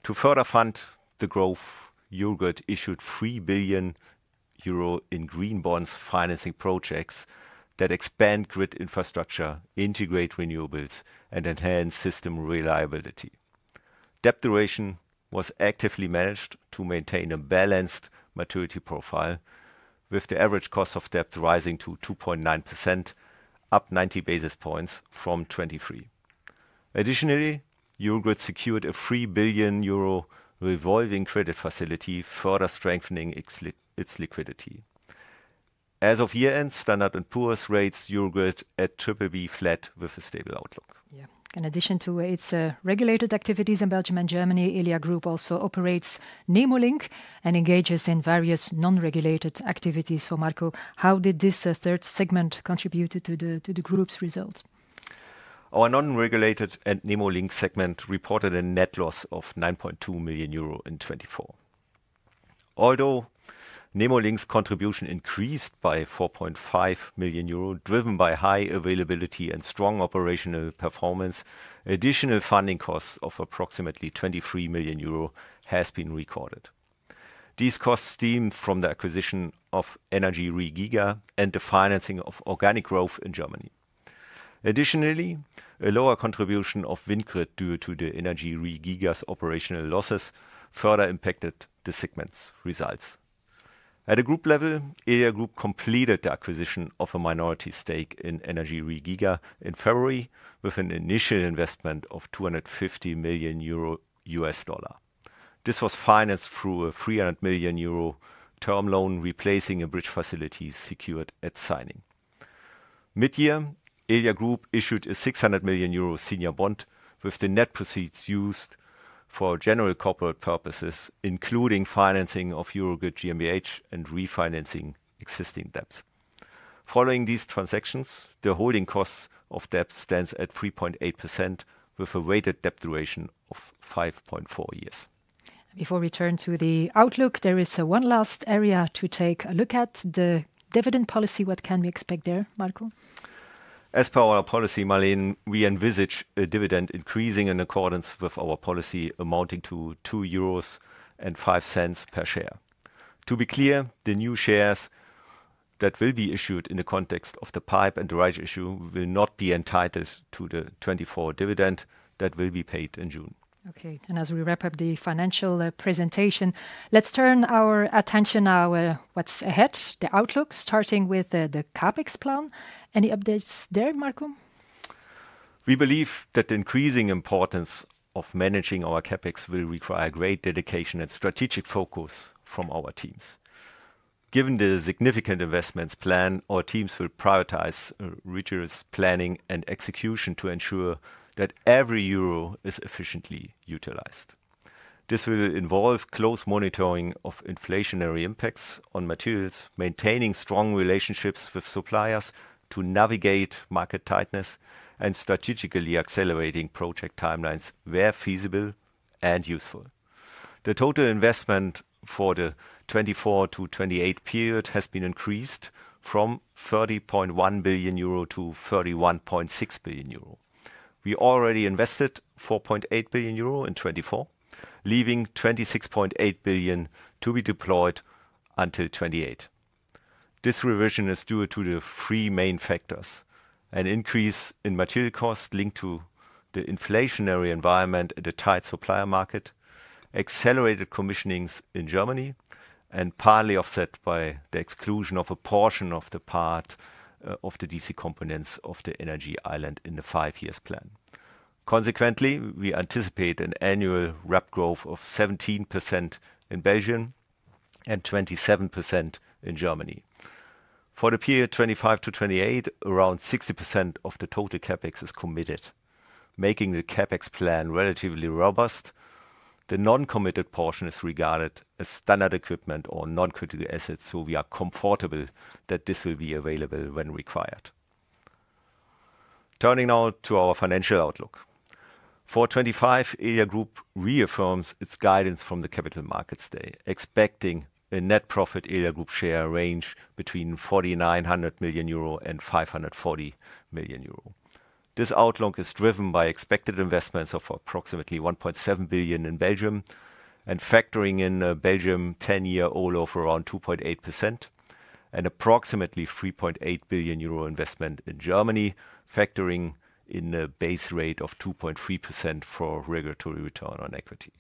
To further fund the growth, Eurogrid issued 3 billion euro in green bonds financing projects that expand grid infrastructure, integrate renewables, and enhance system reliability. Debt duration was actively managed to maintain a balanced maturity profile, with the average cost of debt rising to 2.9%, up 90 basis points from 2023. Additionally, Eurogrid secured a 3 billion euro revolving credit facility, further strengthening its liquidity. As of year-end, Standard & Poor's rates Eurogrid at BBB flat with a stable outlook. Yeah, in addition to its regulated activities in Belgium and Germany, Elia Group also operates Nemo Link and engages in various non-regulated activities. Marco, how did this third segment contribute to the group's result? Our non-regulated and Nemo Link segment reported a net loss of 9.2 million euro in 2024. Although Nemo Link's contribution increased by 4.5 million euro, driven by high availability and strong operational performance, additional funding costs of approximately 23 million euro have been recorded. These costs stem from the acquisition of energyRe Giga and the financing of organic growth in Germany. Additionally, a lower contribution of WindGrid due to energyRe Giga's operational losses further impacted the segment's results. At a group level, Elia Group completed the acquisition of a minority stake in energyRe Giga in February with an initial investment of $250 million. This was financed through a 300 million euro term loan replacing a bridge facility secured at signing. Mid-year, Elia Group issued a 600 million euro senior bond with the net proceeds used for general corporate purposes, including financing of Eurogrid GmbH and refinancing existing debts. Following these transactions, the holding cost of debt stands at 3.8%, with a weighted debt duration of 5.4 years. Before we turn to the outlook, there is one last area to take a look at: the dividend policy. What can we expect there, Marco? As per our policy, Marleen, we envisage a dividend increasing in accordance with our policy, amounting to 2.05 euros per share. To be clear, the new shares that will be issued in the context of the PIPE and the rights issue will not be entitled to the 2024 dividend that will be paid in June. Okay, as we wrap up the financial presentation, let's turn our attention to what's ahead, the outlook, starting with the CapEx plan. Any updates there, Marco? We believe that the increasing importance of managing our CapEx will require great dedication and strategic focus from our teams. Given the significant investments planned, our teams will prioritize rigorous planning and execution to ensure that every euro is efficiently utilized. This will involve close monitoring of inflationary impacts on materials, maintaining strong relationships with suppliers to navigate market tightness, and strategically accelerating project timelines where feasible and useful. The total investment for the 2024-2028 period has been increased from 30.1 billion euro to 31.6 billion euro. We already invested 4.8 billion euro in 2024, leaving 26.8 billion to be deployed until 2028. This revision is due to the three main factors: an increase in material costs linked to the inflationary environment and a tight supplier market, accelerated commissionings in Germany, and partly offset by the exclusion of a portion of the part of the DC components of the energy island in the five-year plan. Consequently, we anticipate an annual REP growth of 17% in Belgium and 27% in Germany. For the period 2025 to 2028, around 60% of the total CapEx is committed, making the CapEx plan relatively robust. The non-committed portion is regarded as standard equipment or non-critical assets, so we are comfortable that this will be available when required. Turning now to our financial outlook for 2025, Elia Group reaffirms its guidance from the Capital Markets Day, expecting a net profit Elia Group share range between 490 million euro and 540 million euro. This outlook is driven by expected investments of approximately 1.7 billion in Belgium and factoring in a Belgium 10-year OLO of around 2.8% and approximately 3.8 billion euro investment in Germany, factoring in a base rate of 2.3% for regulatory return on equity.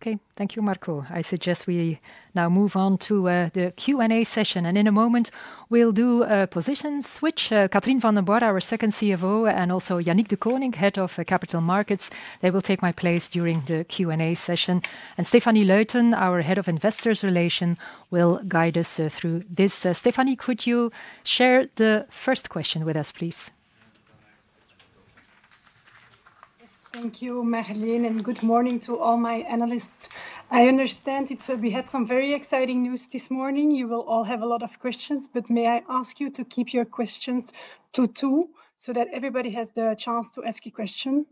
Okay, thank you, Marco. I suggest we now move on to the Q&A session, and in a moment, we'll do a position switch. Catherine Vandenborre, our second CFO, and also Yannick Dekoninck, Head of Capital Markets, they will take my place during the Q&A session. And Stéphanie Luyten, our Head of Investor Relations, will guide us through this. Stéphanie, could you share the first question with us, please? Yes, thank you, Marleen, and good morning to all my analysts. I understand we had some very exciting news this morning. You will all have a lot of questions, but may I ask you to keep your questions to two so that everybody has the chance to ask a question?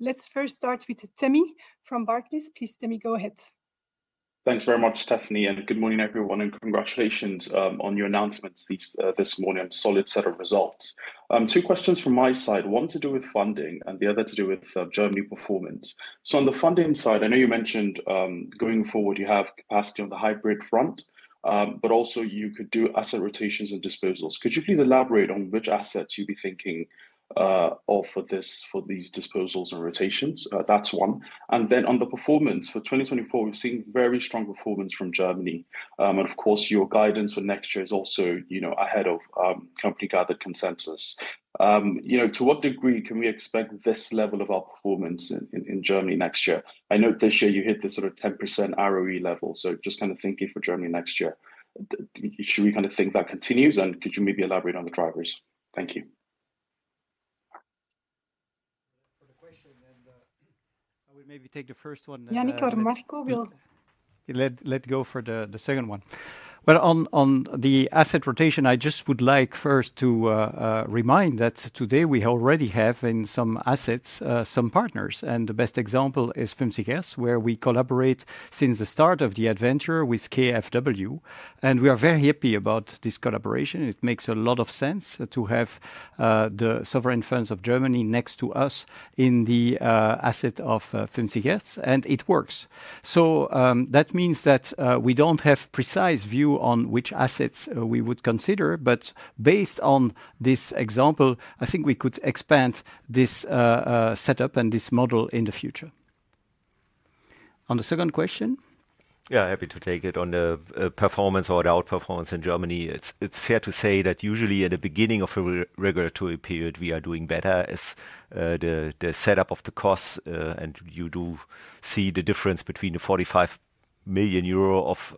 Let's first start with Temi from Barclays. Please, Temi, go ahead. Thanks very much, Stéphanie, and good morning, everyone, and congratulations on your announcements this morning and solid set of results. Two questions from my side, one to do with funding and the other to do with Germany performance. On the funding side, I know you mentioned going forward you have capacity on the hybrid front, but also you could do asset rotations and disposals. Could you please elaborate on which assets you'd be thinking of for these disposals and rotations? That's one. On the performance for 2024, we've seen very strong performance from Germany. Of course, your guidance for next year is also ahead of company-gathered consensus. To what degree can we expect this level of outperformance in Germany next year? I know this year you hit this sort of 10% ROE level, so just kind of thinking for Germany next year, should we kind of think that continues? Could you maybe elaborate on the drivers? Thank you. Yannick or Marco, we'll... Let go for the second one. On the asset rotation, I just would like first to remind that today we already have in some assets some partners. The best example is 50Hertz, where we collaborate since the start of the adventure with KfW. We are very happy about this collaboration. It makes a lot of sense to have the sovereign funds of Germany next to us in the asset of 50Hertz, and it works. That means that we do not have a precise view on which assets we would consider, but based on this example, I think we could expand this setup and this model in the future. On the second question. Yeah, happy to take it. On the performance or the outperformance in Germany, it's fair to say that usually at the beginning of a regulatory period, we are doing better as the setup of the costs, and you do see the difference between the 45 million euro of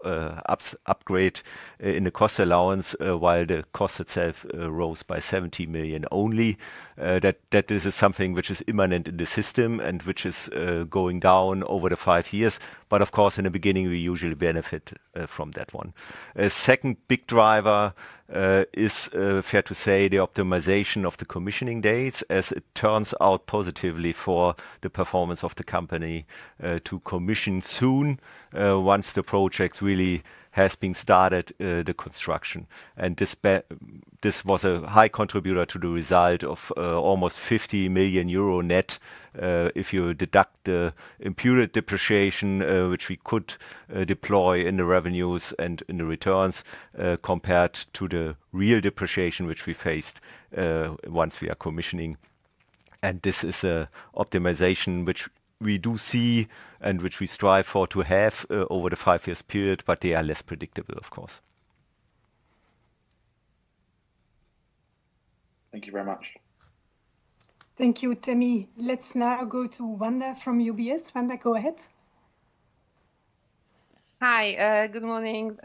upgrade in the cost allowance, while the cost itself rose by 70 million only. That this is something which is imminent in the system and which is going down over the five years. Of course, in the beginning, we usually benefit from that one. A second big driver is fair to say the optimization of the commissioning dates, as it turns out positively for the performance of the company to commission soon once the project really has been started, the construction. This was a high contributor to the result of almost 50 million euro net, if you deduct the imputed depreciation, which we could deploy in the revenues and in the returns compared to the real depreciation which we faced once we are commissioning. This is an optimization which we do see and which we strive for to have over the five-year period, but they are less predictable, of course. Thank you very much. Thank you, Temi. Let's now go to Wanda from UBS. Wanda, go ahead. Hi, good morning.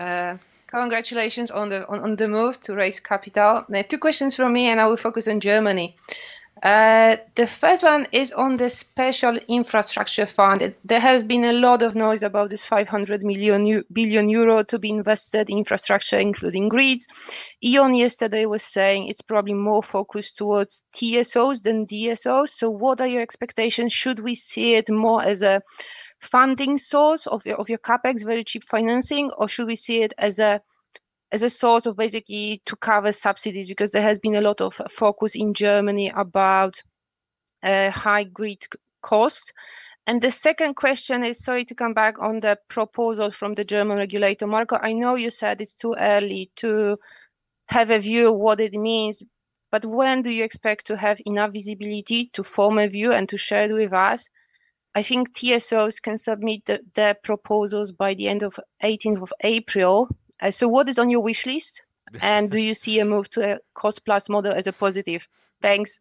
Congratulations on the move to raise capital. Two questions from me, and I will focus on Germany. The first one is on the special infrastructure fund. There has been a lot of noise about this 500 million to be invested in infrastructure, including grids. Ion yesterday was saying it's probably more focused towards TSOs than DSOs. What are your expectations? Should we see it more as a funding source of your CapEx, very cheap financing, or should we see it as a source of basically to cover subsidies? There has been a lot of focus in Germany about high grid costs. The second question is, sorry to come back on the proposal from the German regulator. Marco, I know you said it's too early to have a view of what it means, but when do you expect to have enough visibility to form a view and to share it with us? I think TSOs can submit their proposals by the end of April 18. What is on your wishlist? Do you see a move to a cost-plus model as a positive? Thanks.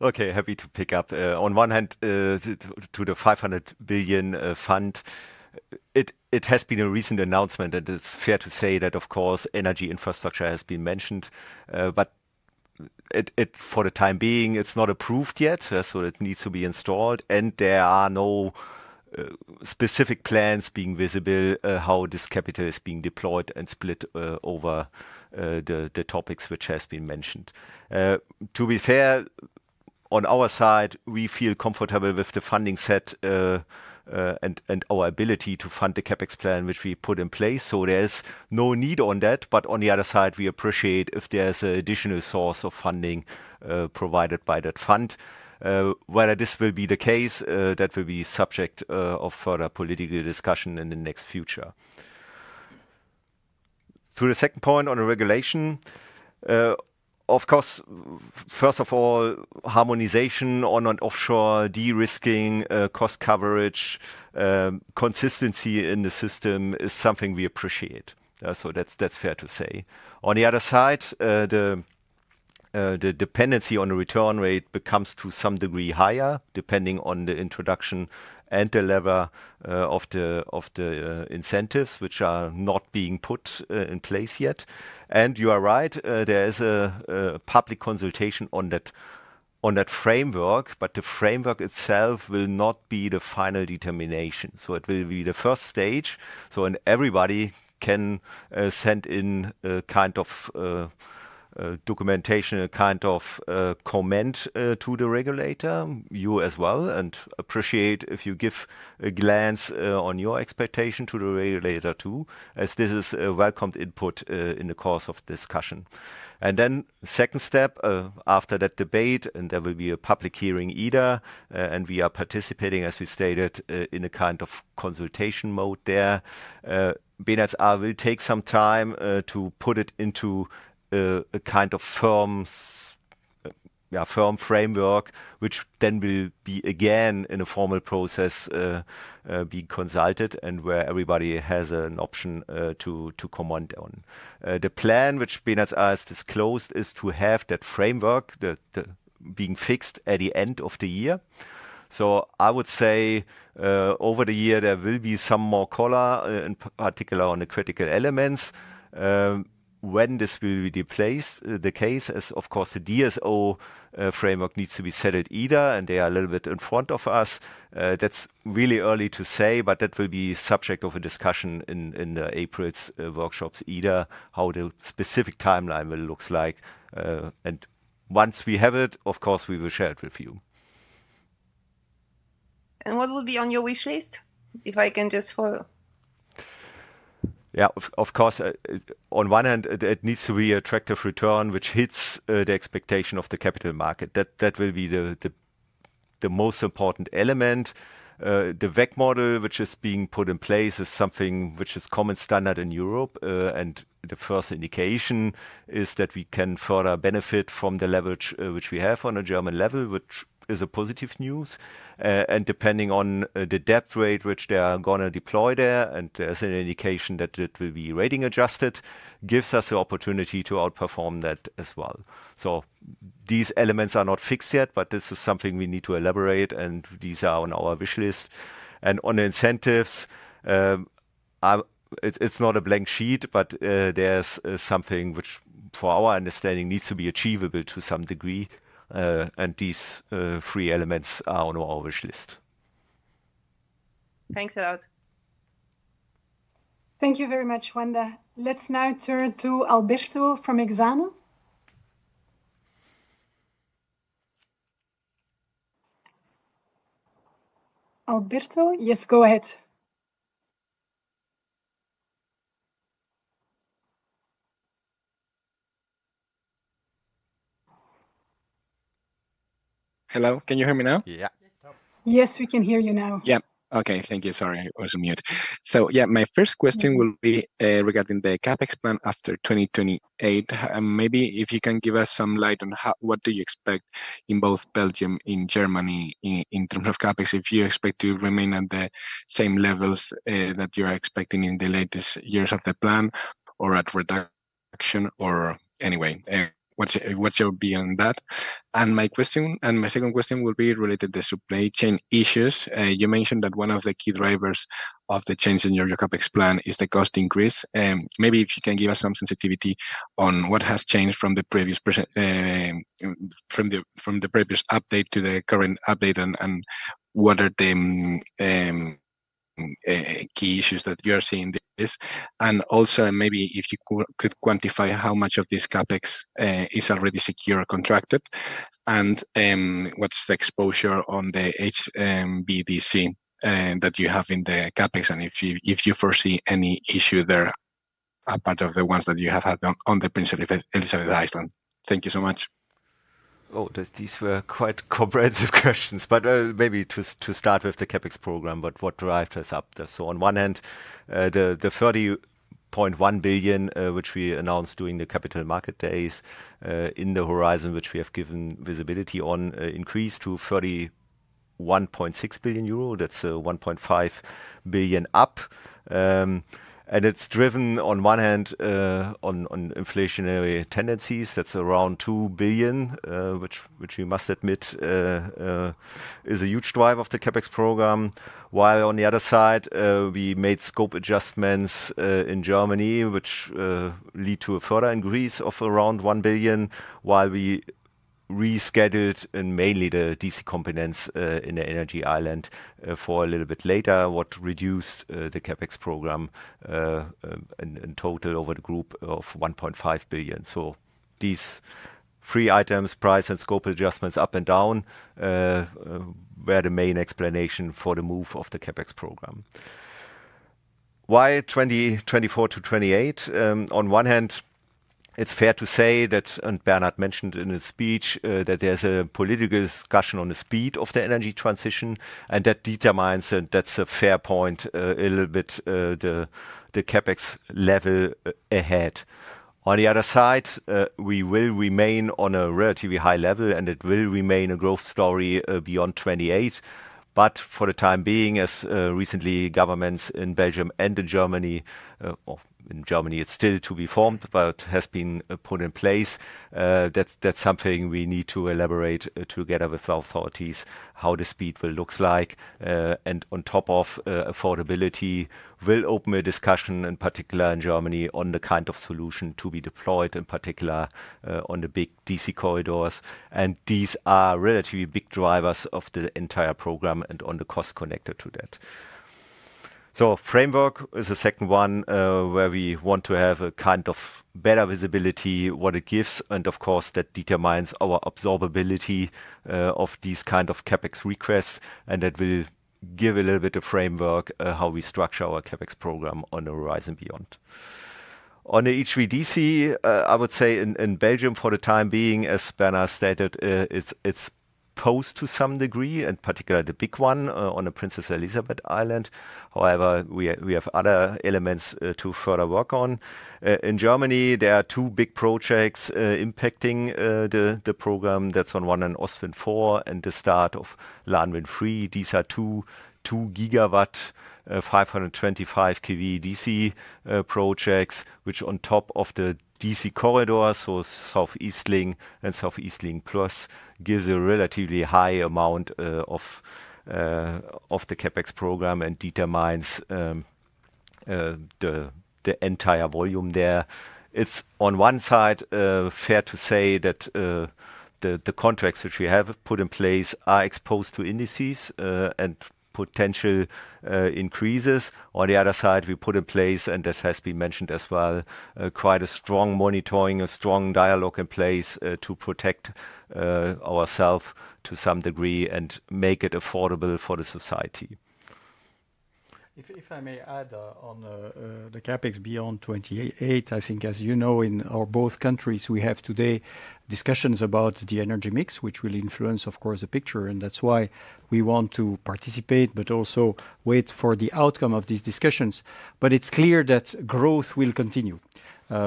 Okay, happy to pick up. On one hand, to the 500 billion fund, it has been a recent announcement, and it's fair to say that, of course, energy infrastructure has been mentioned, but for the time being, it's not approved yet, so it needs to be installed. There are no specific plans being visible how this capital is being deployed and split over the topics which have been mentioned. To be fair, on our side, we feel comfortable with the funding set and our ability to fund the CapEx plan, which we put in place. There is no need on that. On the other side, we appreciate if there's an additional source of funding provided by that fund. Whether this will be the case, that will be subject to further political discussion in the next future. To the second point on the regulation, of course, first of all, harmonization on an offshore de-risking, cost coverage, consistency in the system is something we appreciate. That is fair to say. On the other side, the dependency on the return rate becomes to some degree higher, depending on the introduction and the lever of the incentives, which are not being put in place yet. You are right, there is a public consultation on that framework, but the framework itself will not be the final determination. It will be the first stage. Everybody can send in a kind of documentation, a kind of comment to the regulator, you as well, and appreciate if you give a glance on your expectation to the regulator too, as this is a welcomed input in the course of discussion. The second step, after that debate, is that there will be a public hearing either, and we are participating, as we stated, in a kind of consultation mode there. BNetzA will take some time to put it into a kind of firm framework, which then will be again in a formal process being consulted and where everybody has an option to comment on. The plan, which BNetzA has disclosed, is to have that framework being fixed at the end of the year. I would say over the year, there will be some more color, in particular on the critical elements. When this will be placed, the case is, of course, the DSO framework needs to be settled either, and they are a little bit in front of us. That's really early to say, but that will be subject to the discussion in the April workshops either, how the specific timeline will look like. Once we have it, of course, we will share it with you. What will be on your wishlist, if I can just follow? Yeah, of course, on one hand, it needs to be an attractive return, which hits the expectation of the capital market. That will be the most important element. The WACC model, which is being put in place, is something which is common standard in Europe. The first indication is that we can further benefit from the leverage which we have on a German level, which is positive news. Depending on the debt rate which they are going to deploy there, and there's an indication that it will be rating adjusted, gives us the opportunity to outperform that as well. These elements are not fixed yet, but this is something we need to elaborate, and these are on our wishlist. On incentives, it's not a blank sheet, but there's something which, for our understanding, needs to be achievable to some degree. These three elements are on our wishlist. Thanks a lot. Thank you very much, Wanda. Let's now turn to Alberto from Exana. Alberto, yes, go ahead. Hello, can you hear me now? Yeah. Yes, we can hear you now. Yeah, okay, thank you. Sorry, I was on mute. Yeah, my first question will be regarding the CapEx plan after 2028. Maybe if you can give us some light on what do you expect in both Belgium and Germany in terms of CapEx, if you expect to remain at the same levels that you are expecting in the latest years of the plan or a reduction or anyway, what's your view on that? My second question will be related to the supply chain issues. You mentioned that one of the key drivers of the change in your CapEx plan is the cost increase. Maybe if you can give us some sensitivity on what has changed from the previous update to the current update and what are the key issues that you are seeing this. Also, maybe if you could quantify how much of this CapEx is already secure or contracted. What's the exposure on the HVDC that you have in the CapEx, and if you foresee any issue there apart from the ones that you have had on the Princess Elisabeth Island. Thank you so much. These were quite comprehensive questions, but maybe to start with the CapEx program, what drives us up there? On one hand, the 30.1 billion, which we announced during the capital market days in the horizon, which we have given visibility on, increased to 31.6 billion euro. That's 1.5 billion up. It's driven on one hand on inflationary tendencies. That's around 2 billion, which we must admit is a huge drive of the CapEx program. While on the other side, we made scope adjustments in Germany, which led to a further increase of around 1 billion, while we rescheduled mainly the DC components in the energy island for a little bit later, which reduced the CapEx program in total over the group by 1.5 billion. These three items, price and scope adjustments up and down, were the main explanation for the move of the CapEx program. Why 2024 to 2028? On one hand, it's fair to say that, and Bernard mentioned in his speech, that there's a political discussion on the speed of the energy transition, and that determines, that's a fair point, a little bit the CapEx level ahead. On the other side, we will remain on a relatively high level, and it will remain a growth story beyond 2028. For the time being, as recently governments in Belgium and in Germany, or in Germany, it's still to be formed, but has been put in place, that's something we need to elaborate together with the authorities how the speed will look like. On top of affordability, we'll open a discussion in particular in Germany on the kind of solution to be deployed, in particular on the big DC corridors. These are relatively big drivers of the entire program and on the cost connected to that. Framework is the second one where we want to have a kind of better visibility what it gives. Of course, that determines our absorbability of these kind of CapEx requests. That will give a little bit of framework how we structure our CapEx program on the horizon beyond. On the HVDC, I would say in Belgium for the time being, as Bernard stated, it's paused to some degree, in particular the big one on the Princess Elisabeth Island. However, we have other elements to further work on. In Germany, there are two big projects impacting the program. That's on one end, Ostwind 4, and the start of Lanwin 3. These are two gigawatt 525 kV DC projects, which on top of the DC corridor, so Southeast Link and Southeast Link Plus, gives a relatively high amount of the CapEx program and determines the entire volume there. It is on one side fair to say that the contracts which we have put in place are exposed to indices and potential increases. On the other side, we put in place, and that has been mentioned as well, quite a strong monitoring, a strong dialogue in place to protect ourselves to some degree and make it affordable for the society. If I may add on the CapEx beyond 2028, I think as you know, in our both countries, we have today discussions about the energy mix, which will influence, of course, the picture. That is why we want to participate, but also wait for the outcome of these discussions. It is clear that growth will continue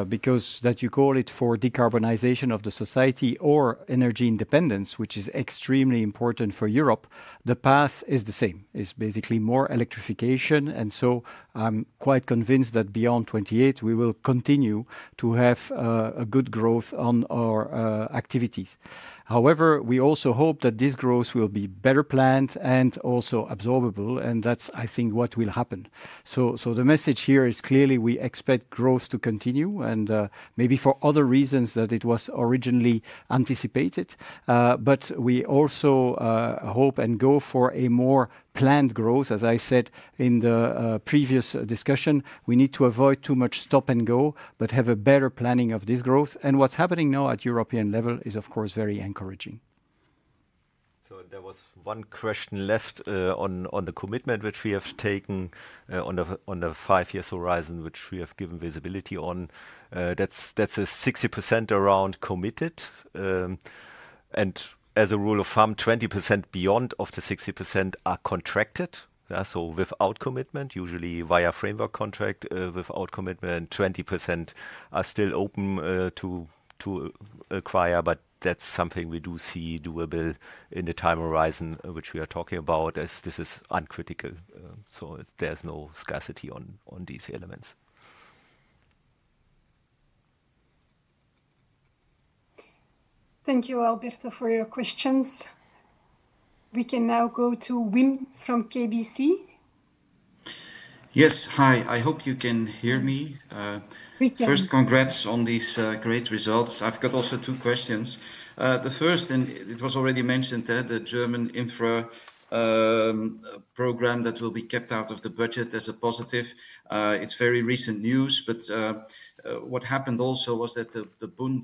because that you call it for decarbonization of the society or energy independence, which is extremely important for Europe. The path is the same, is basically more electrification. I am quite convinced that beyond 2028, we will continue to have a good growth on our activities. However, we also hope that this growth will be better planned and also absorbable. That is, I think, what will happen. The message here is clearly we expect growth to continue and maybe for other reasons than it was originally anticipated. We also hope and go for a more planned growth. As I said in the previous discussion, we need to avoid too much stop and go, but have a better planning of this growth. What is happening now at European level is, of course, very encouraging. There was one question left on the commitment which we have taken on the five-year horizon, which we have given visibility on. That's a 60% around committed. As a rule of thumb, 20% beyond of the 60% are contracted. Without commitment, usually via framework contract, without commitment, 20% are still open to acquire. That is something we do see doable in the time horizon which we are talking about as this is uncritical. There is no scarcity on these elements. Thank you, Alberto, for your questions. We can now go to Wim from KBC. Yes, hi. I hope you can hear me. We can. First, congrats on these great results. I've got also two questions. The first, and it was already mentioned, the German infra program that will be kept out of the budget as a positive. It is very recent news. What happened also was that the Bund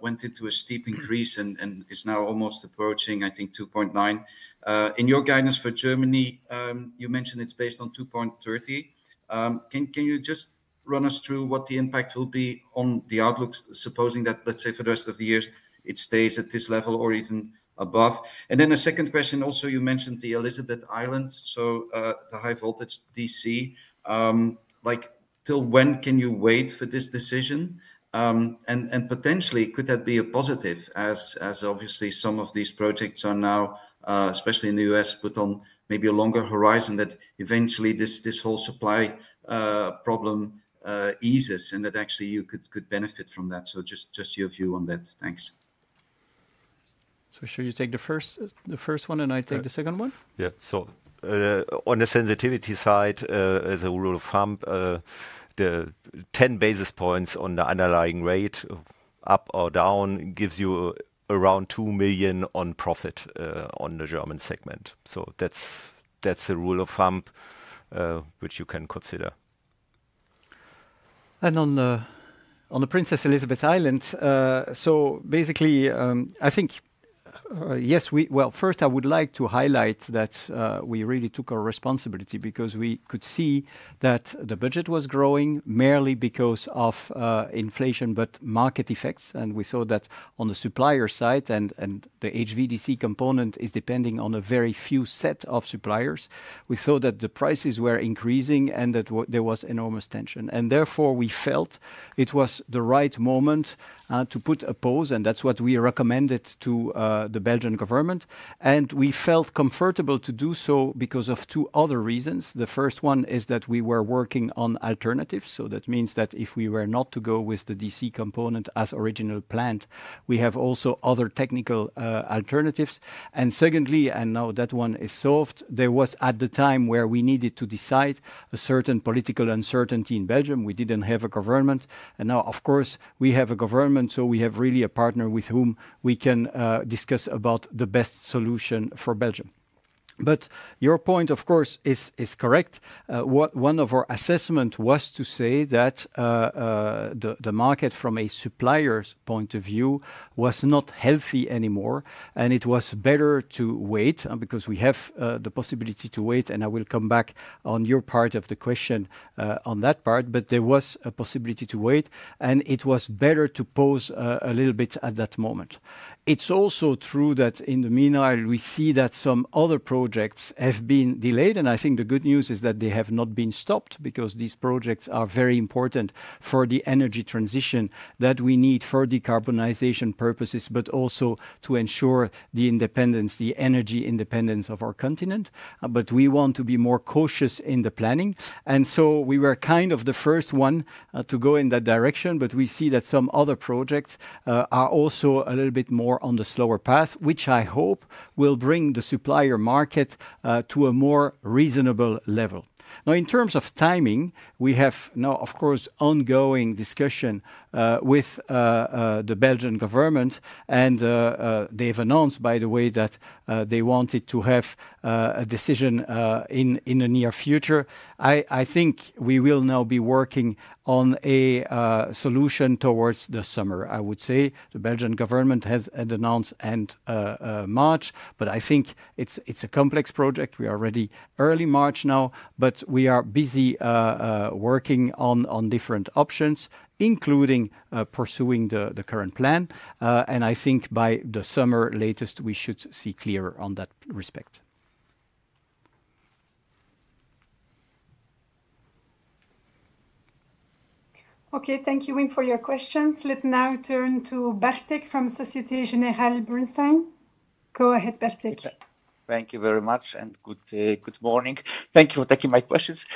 went into a steep increase and is now almost approaching, I think, 2.9. In your guidance for Germany, you mentioned it is based on 2.30. Can you just run us through what the impact will be on the outlook, supposing that, let's say, for the rest of the years, it stays at this level or even above? A second question also, you mentioned the Elizabeth Island, so the high voltage DC. Until when can you wait for this decision? Potentially, could that be a positive, as obviously some of these projects are now, especially in the U.S., put on maybe a longer horizon that eventually this whole supply problem eases and that actually you could benefit from that? Just your view on that. Thanks. Should you take the first one and I take the second one? Yeah. On the sensitivity side, as a rule of thumb, the 10 basis points on the underlying rate, up or down, gives you around 2 million on profit on the German segment. That is the rule of thumb which you can consider. On the Princess Elisabeth Island, I think, yes, first, I would like to highlight that we really took our responsibility because we could see that the budget was growing merely because of inflation, but market effects. We saw that on the supplier side and the HVDC component is depending on a very few set of suppliers. We saw that the prices were increasing and that there was enormous tension. Therefore, we felt it was the right moment to put a pause. That is what we recommended to the Belgian government. We felt comfortable to do so because of two other reasons. The first one is that we were working on alternatives. That means that if we were not to go with the DC component as originally planned, we have also other technical alternatives. Secondly, now that one is solved, there was at the time where we needed to decide a certain political uncertainty in Belgium. We did not have a government. Now, of course, we have a government. We have really a partner with whom we can discuss about the best solution for Belgium. Your point, of course, is correct. One of our assessments was to say that the market from a supplier's point of view was not healthy anymore. It was better to wait because we have the possibility to wait. I will come back on your part of the question on that part. There was a possibility to wait. It was better to pause a little bit at that moment. It is also true that in the meanwhile, we see that some other projects have been delayed. I think the good news is that they have not been stopped because these projects are very important for the energy transition that we need for decarbonization purposes, but also to ensure the independence, the energy independence of our continent. We want to be more cautious in the planning. We were kind of the first one to go in that direction. We see that some other projects are also a little bit more on the slower path, which I hope will bring the supplier market to a more reasonable level. Now, in terms of timing, we have now, of course, ongoing discussion with the Belgian government. They have announced, by the way, that they wanted to have a decision in the near future. I think we will now be working on a solution towards the summer, I would say. The Belgian government has announced end March. I think it's a complex project. We are already early March now, but we are busy working on different options, including pursuing the current plan. I think by the summer latest, we should see clearer on that respect. Okay, thank you, Wim, for your questions. Let's now turn to Bartlomiej from Société Générale-Bernstein. Go ahead, Bartlomiej. Thank you very much and good morning. Thank you for taking my questions.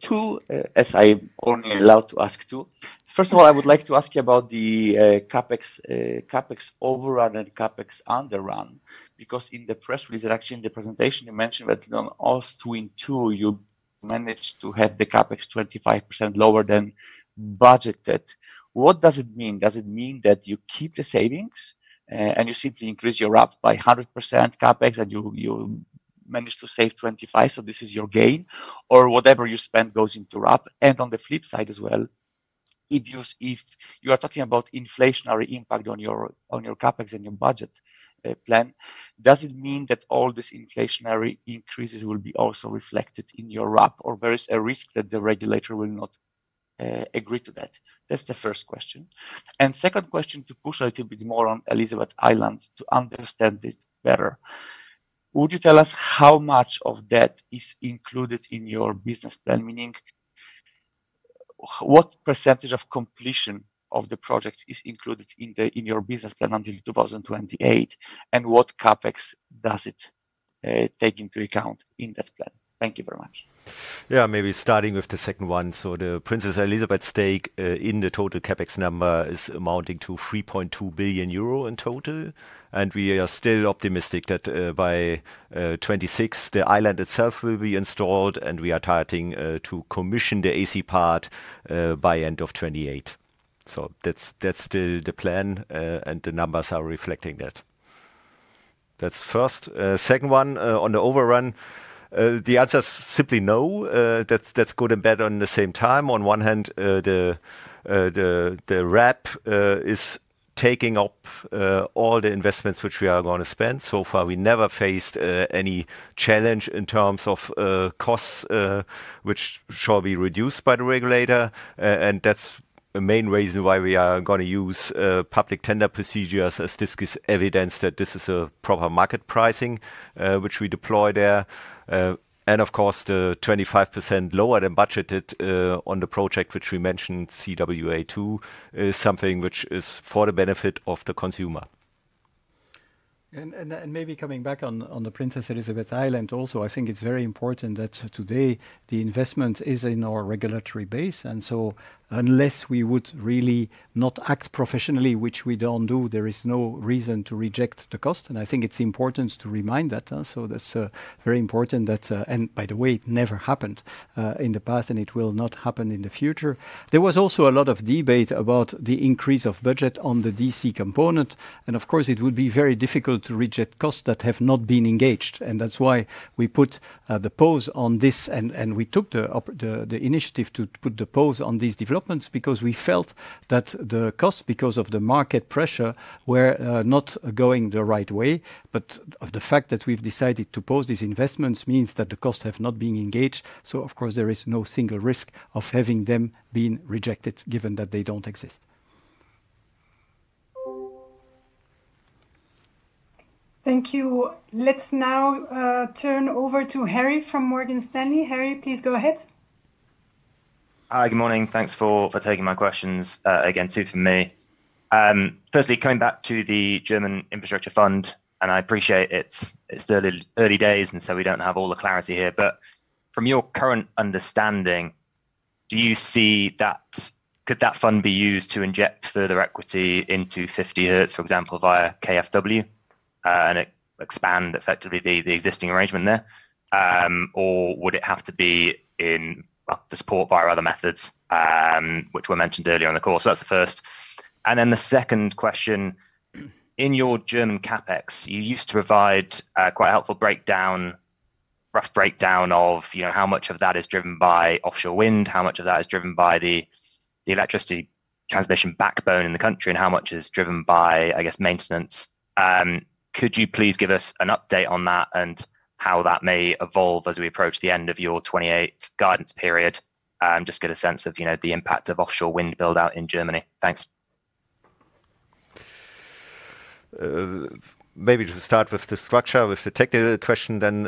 Two, as I'm only allowed to ask two. First of all, I would like to ask you about the CapEx overrun and CapEx underrun. Because in the press release, actually in the presentation, you mentioned that on Ostwind 2, you managed to have the CapEx 25% lower than budgeted. What does it mean? Does it mean that you keep the savings and you simply increase your RAB by 100% CapEx and you manage to save 25%? This is your gain or whatever you spend goes into RAB. On the flip side as well, if you are talking about inflationary impact on your CapEx and your budget plan, does it mean that all these inflationary increases will be also reflected in your RAB or there is a risk that the regulator will not agree to that? That's the first question. Second question, to push a little bit more on Elizabeth Island to understand it better. Would you tell us how much of that is included in your business plan? Meaning what % of completion of the project is included in your business plan until 2028? And what CapEx does it take into account in that plan? Thank you very much. Yeah, maybe starting with the second one. The Princess Elisabeth stake in the total CapEx number is amounting to 3.2 billion euro in total. We are still optimistic that by 2026, the island itself will be installed. We are targeting to commission the AC part by end of 2028. That is still the plan and the numbers are reflecting that. That is first. Second one on the overrun, the answer is simply no. That is good and bad at the same time. On one hand, the RAB is taking up all the investments which we are going to spend. So far, we never faced any challenge in terms of costs, which shall be reduced by the regulator. That is the main reason why we are going to use public tender procedures, as this gives evidence that this is a proper market pricing which we deploy there. Of course, the 25% lower than budgeted on the project, which we mentioned, CWA2, is something which is for the benefit of the consumer. Maybe coming back on the Princess Elisabeth Island also, I think it's very important that today the investment is in our regulatory base. Unless we would really not act professionally, which we don't do, there is no reason to reject the cost. I think it's important to remind that. That's very important, and by the way, it never happened in the past and it will not happen in the future. There was also a lot of debate about the increase of budget on the DC component. Of course, it would be very difficult to reject costs that have not been engaged. That's why we put the pause on this. We took the initiative to put the pause on these developments because we felt that the costs, because of the market pressure, were not going the right way. The fact that we've decided to pause these investments means that the costs have not been engaged. Of course, there is no single risk of having them being rejected given that they don't exist. Thank you. Let's now turn over to Harry from Morgan Stanley. Harry, please go ahead. Hi, good morning. Thanks for taking my questions. Again, two for me. Firstly, coming back to the German Infrastructure Fund, and I appreciate it's still early days, and so we don't have all the clarity here. From your current understanding, do you see that could that fund be used to inject further equity into 50Hertz, for example, via KfW and expand effectively the existing arrangement there? Or would it have to be in support via other methods, which were mentioned earlier in the call? That's the first. The second question, in your German CapEx, you used to provide quite a helpful rough breakdown of how much of that is driven by offshore wind, how much of that is driven by the electricity transmission backbone in the country, and how much is driven by, I guess, maintenance. Could you please give us an update on that and how that may evolve as we approach the end of your 2028 guidance period? Just get a sense of the impact of offshore wind buildout in Germany. Thanks. Maybe to start with the structure, with the technical question, then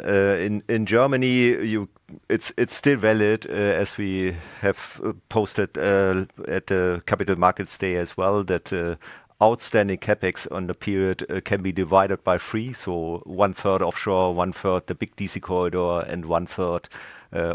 in Germany, it's still valid, as we have posted at the Capital Markets Day as well, that outstanding CapEx on the period can be divided by three. One third offshore, one third the big DC corridor, and one third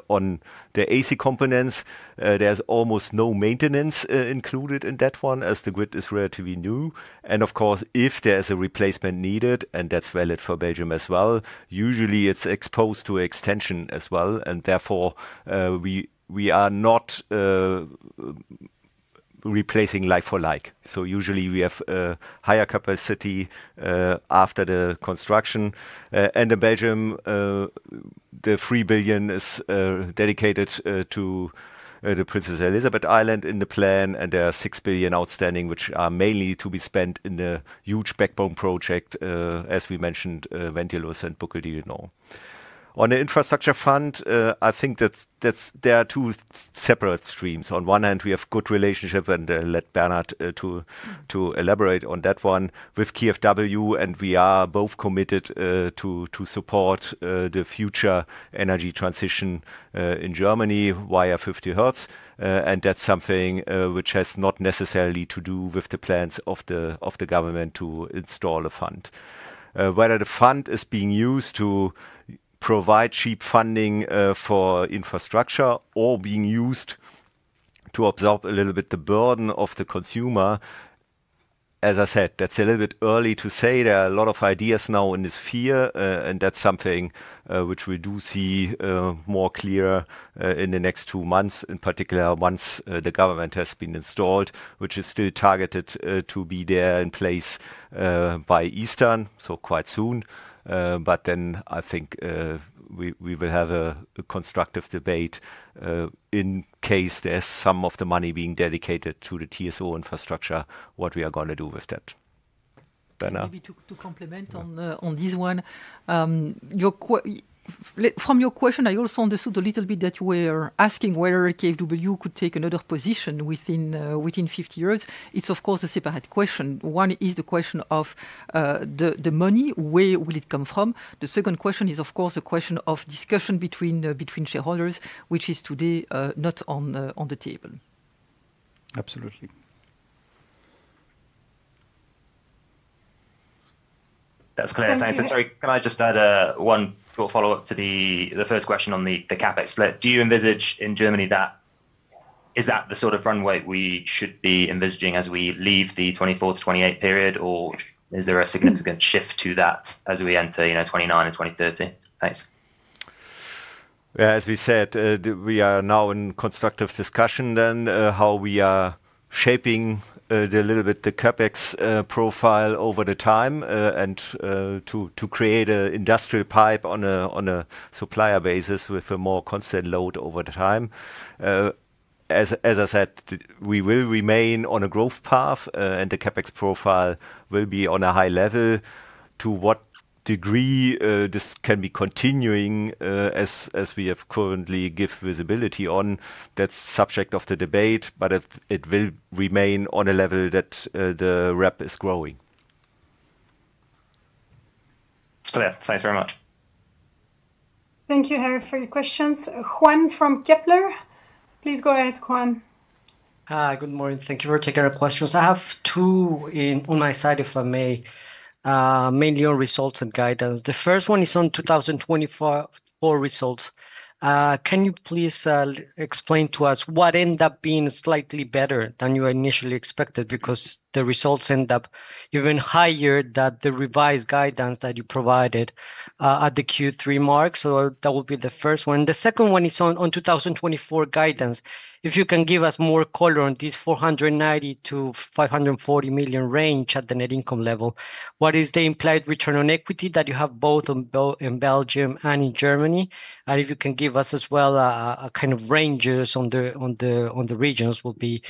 on the AC components. There's almost no maintenance included in that one as the grid is relatively new. Of course, if there is a replacement needed, and that's valid for Belgium as well, usually it's exposed to extension as well. Therefore, we are not replacing like for like. Usually we have a higher capacity after the construction. In Belgium, the 3 billion is dedicated to the Princess Elisabeth Island in the plan. There are 6 billion outstanding, which are mainly to be spent in the huge backbone project, as we mentioned, Ventilus and Boucles de Hainaut. On the Infrastructure Fund, I think that there are two separate streams. On one hand, we have a good relationship, and I'll let Bernard elaborate on that one, with KfW. We are both committed to support the future energy transition in Germany via 50Hertz. That is something which has not necessarily to do with the plans of the government to install a fund. Whether the fund is being used to provide cheap funding for infrastructure or being used to absorb a little bit the burden of the consumer, as I said, that is a little bit early to say. There are a lot of ideas now in this sphere. That is something which we do see more clearly in the next two months, in particular once the government has been installed, which is still targeted to be there in place by Easter, so quite soon. I think we will have a constructive debate in case there is some of the money being dedicated to the TSO infrastructure, what we are going to do with that. Maybe to complement on this one, from your question, I also understood a little bit that you were asking whether KfW could take another position within 50Hertz. It's, of course, a separate question. One is the question of the money, where will it come from? The second question is, of course, a question of discussion between shareholders, which is today not on the table. Absolutely. That's clear. Thanks. Sorry, can I just add one short follow-up to the first question on the CapEx split? Do you envisage in Germany that is that the sort of runway we should be envisaging as we leave the 2024 to 2028 period? Or is there a significant shift to that as we enter 2029 and 2030? Thanks. Yeah, as we said, we are now in constructive discussion then how we are shaping a little bit the CapEx profile over the time and to create an industrial PIPE on a supplier basis with a more constant load over time. As I said, we will remain on a growth path, and the CapEx profile will be on a high level. To what degree this can be continuing, as we have currently given visibility on, that's subject to the debate. It will remain on a level that the RAB is growing. It's clear. Thanks very much. Thank you, Harry, for your questions. Juan from Kepler, please go ahead, Juan. Hi, good morning. Thank you for taking our questions. I have two on my side, if I may, mainly on results and guidance. The first one is on 2024 results. Can you please explain to us what ended up being slightly better than you initially expected? Because the results ended up even higher than the revised guidance that you provided at the Q3 mark. That would be the first one. The second one is on 2024 guidance. If you can give us more color on this 490 million-540 million range at the net income level, what is the implied return on equity that you have both in Belgium and in Germany? If you can give us as well a kind of ranges on the regions, that would be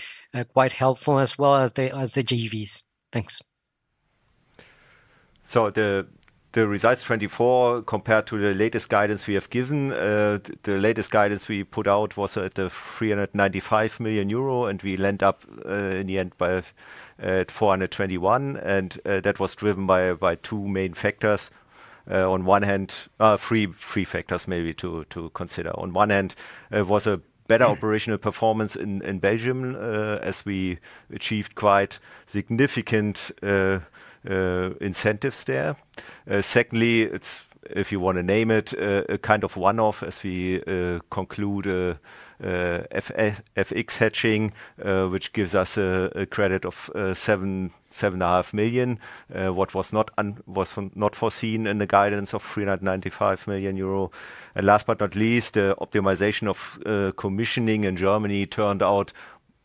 quite helpful, as well as the GEVs. Thanks. The results 2024 compared to the latest guidance we have given, the latest guidance we put out was at 395 million euro, and we ended up in the end by 421 million. That was driven by two main factors. On one hand, three factors maybe to consider. On one hand, it was a better operational performance in Belgium as we achieved quite significant incentives there. Secondly, if you want to name it, a kind of one-off as we conclude FX hedging, which gives us a credit of 7.5 million, what was not foreseen in the guidance of 395 million euro. Last but not least, the optimization of commissioning in Germany turned out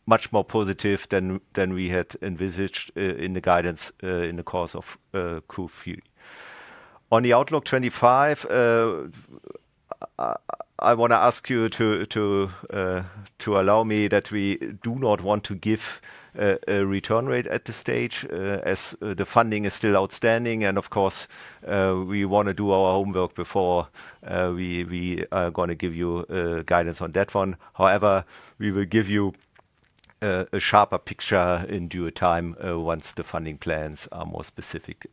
much more positive than we had envisaged in the guidance in the course of Q3. On the Outlook 2025, I want to ask you to allow me that we do not want to give a return rate at this stage as the funding is still outstanding. Of course, we want to do our homework before we are going to give you guidance on that one. However, we will give you a sharper picture in due time once the funding plans are more specific.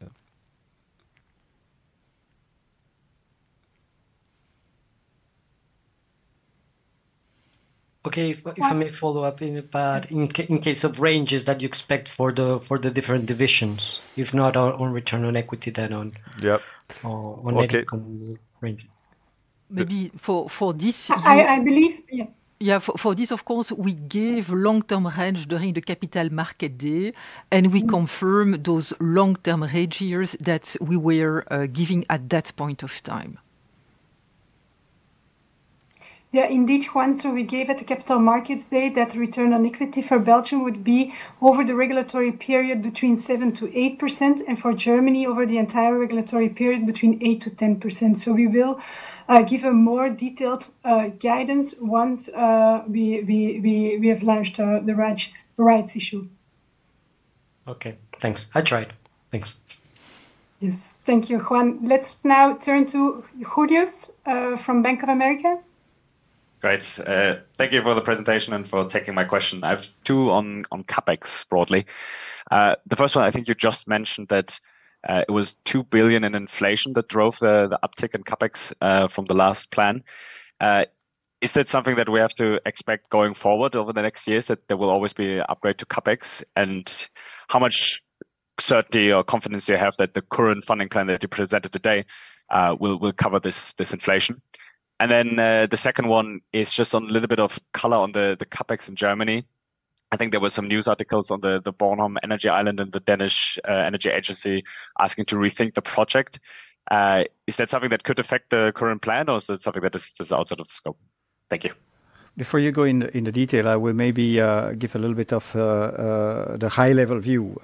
Okay, if I may follow up in a bit, in case of ranges that you expect for the different divisions, if not on return on equity, then on net income range. Maybe for this. I believe, yeah, for this, of course, we gave long-term range during the Capital Markets Day, and we confirmed those long-term ranges that we were giving at that point of time. Yeah. Indeed, Juan, we gave at the Capital Markets Day that return on equity for Belgium would be over the regulatory period between 7%-8%, and for Germany over the entire regulatory period between 8%-10%. We will give a more detailed guidance once we have launched the rights issue. Okay, thanks. I tried. Thanks. Yes, thank you, Juan. Let's now turn to Julius from Bank of America. Great. Thank you for the presentation and for taking my question. I have two on CapEx broadly. The first one, I think you just mentioned that it was 2 billion in inflation that drove the uptick in CapEx from the last plan. Is that something that we have to expect going forward over the next years that there will always be an upgrade to CapEx? How much certainty or confidence do you have that the current funding plan that you presented today will cover this inflation? The second one is just on a little bit of color on the CapEx in Germany. I think there were some news articles on the Bornholm Energy Island and the Danish Energy Agency asking to rethink the project. Is that something that could affect the current plan, or is that something that is outside of the scope? Thank you. Before you go into detail, I will maybe give a little bit of the high-level view.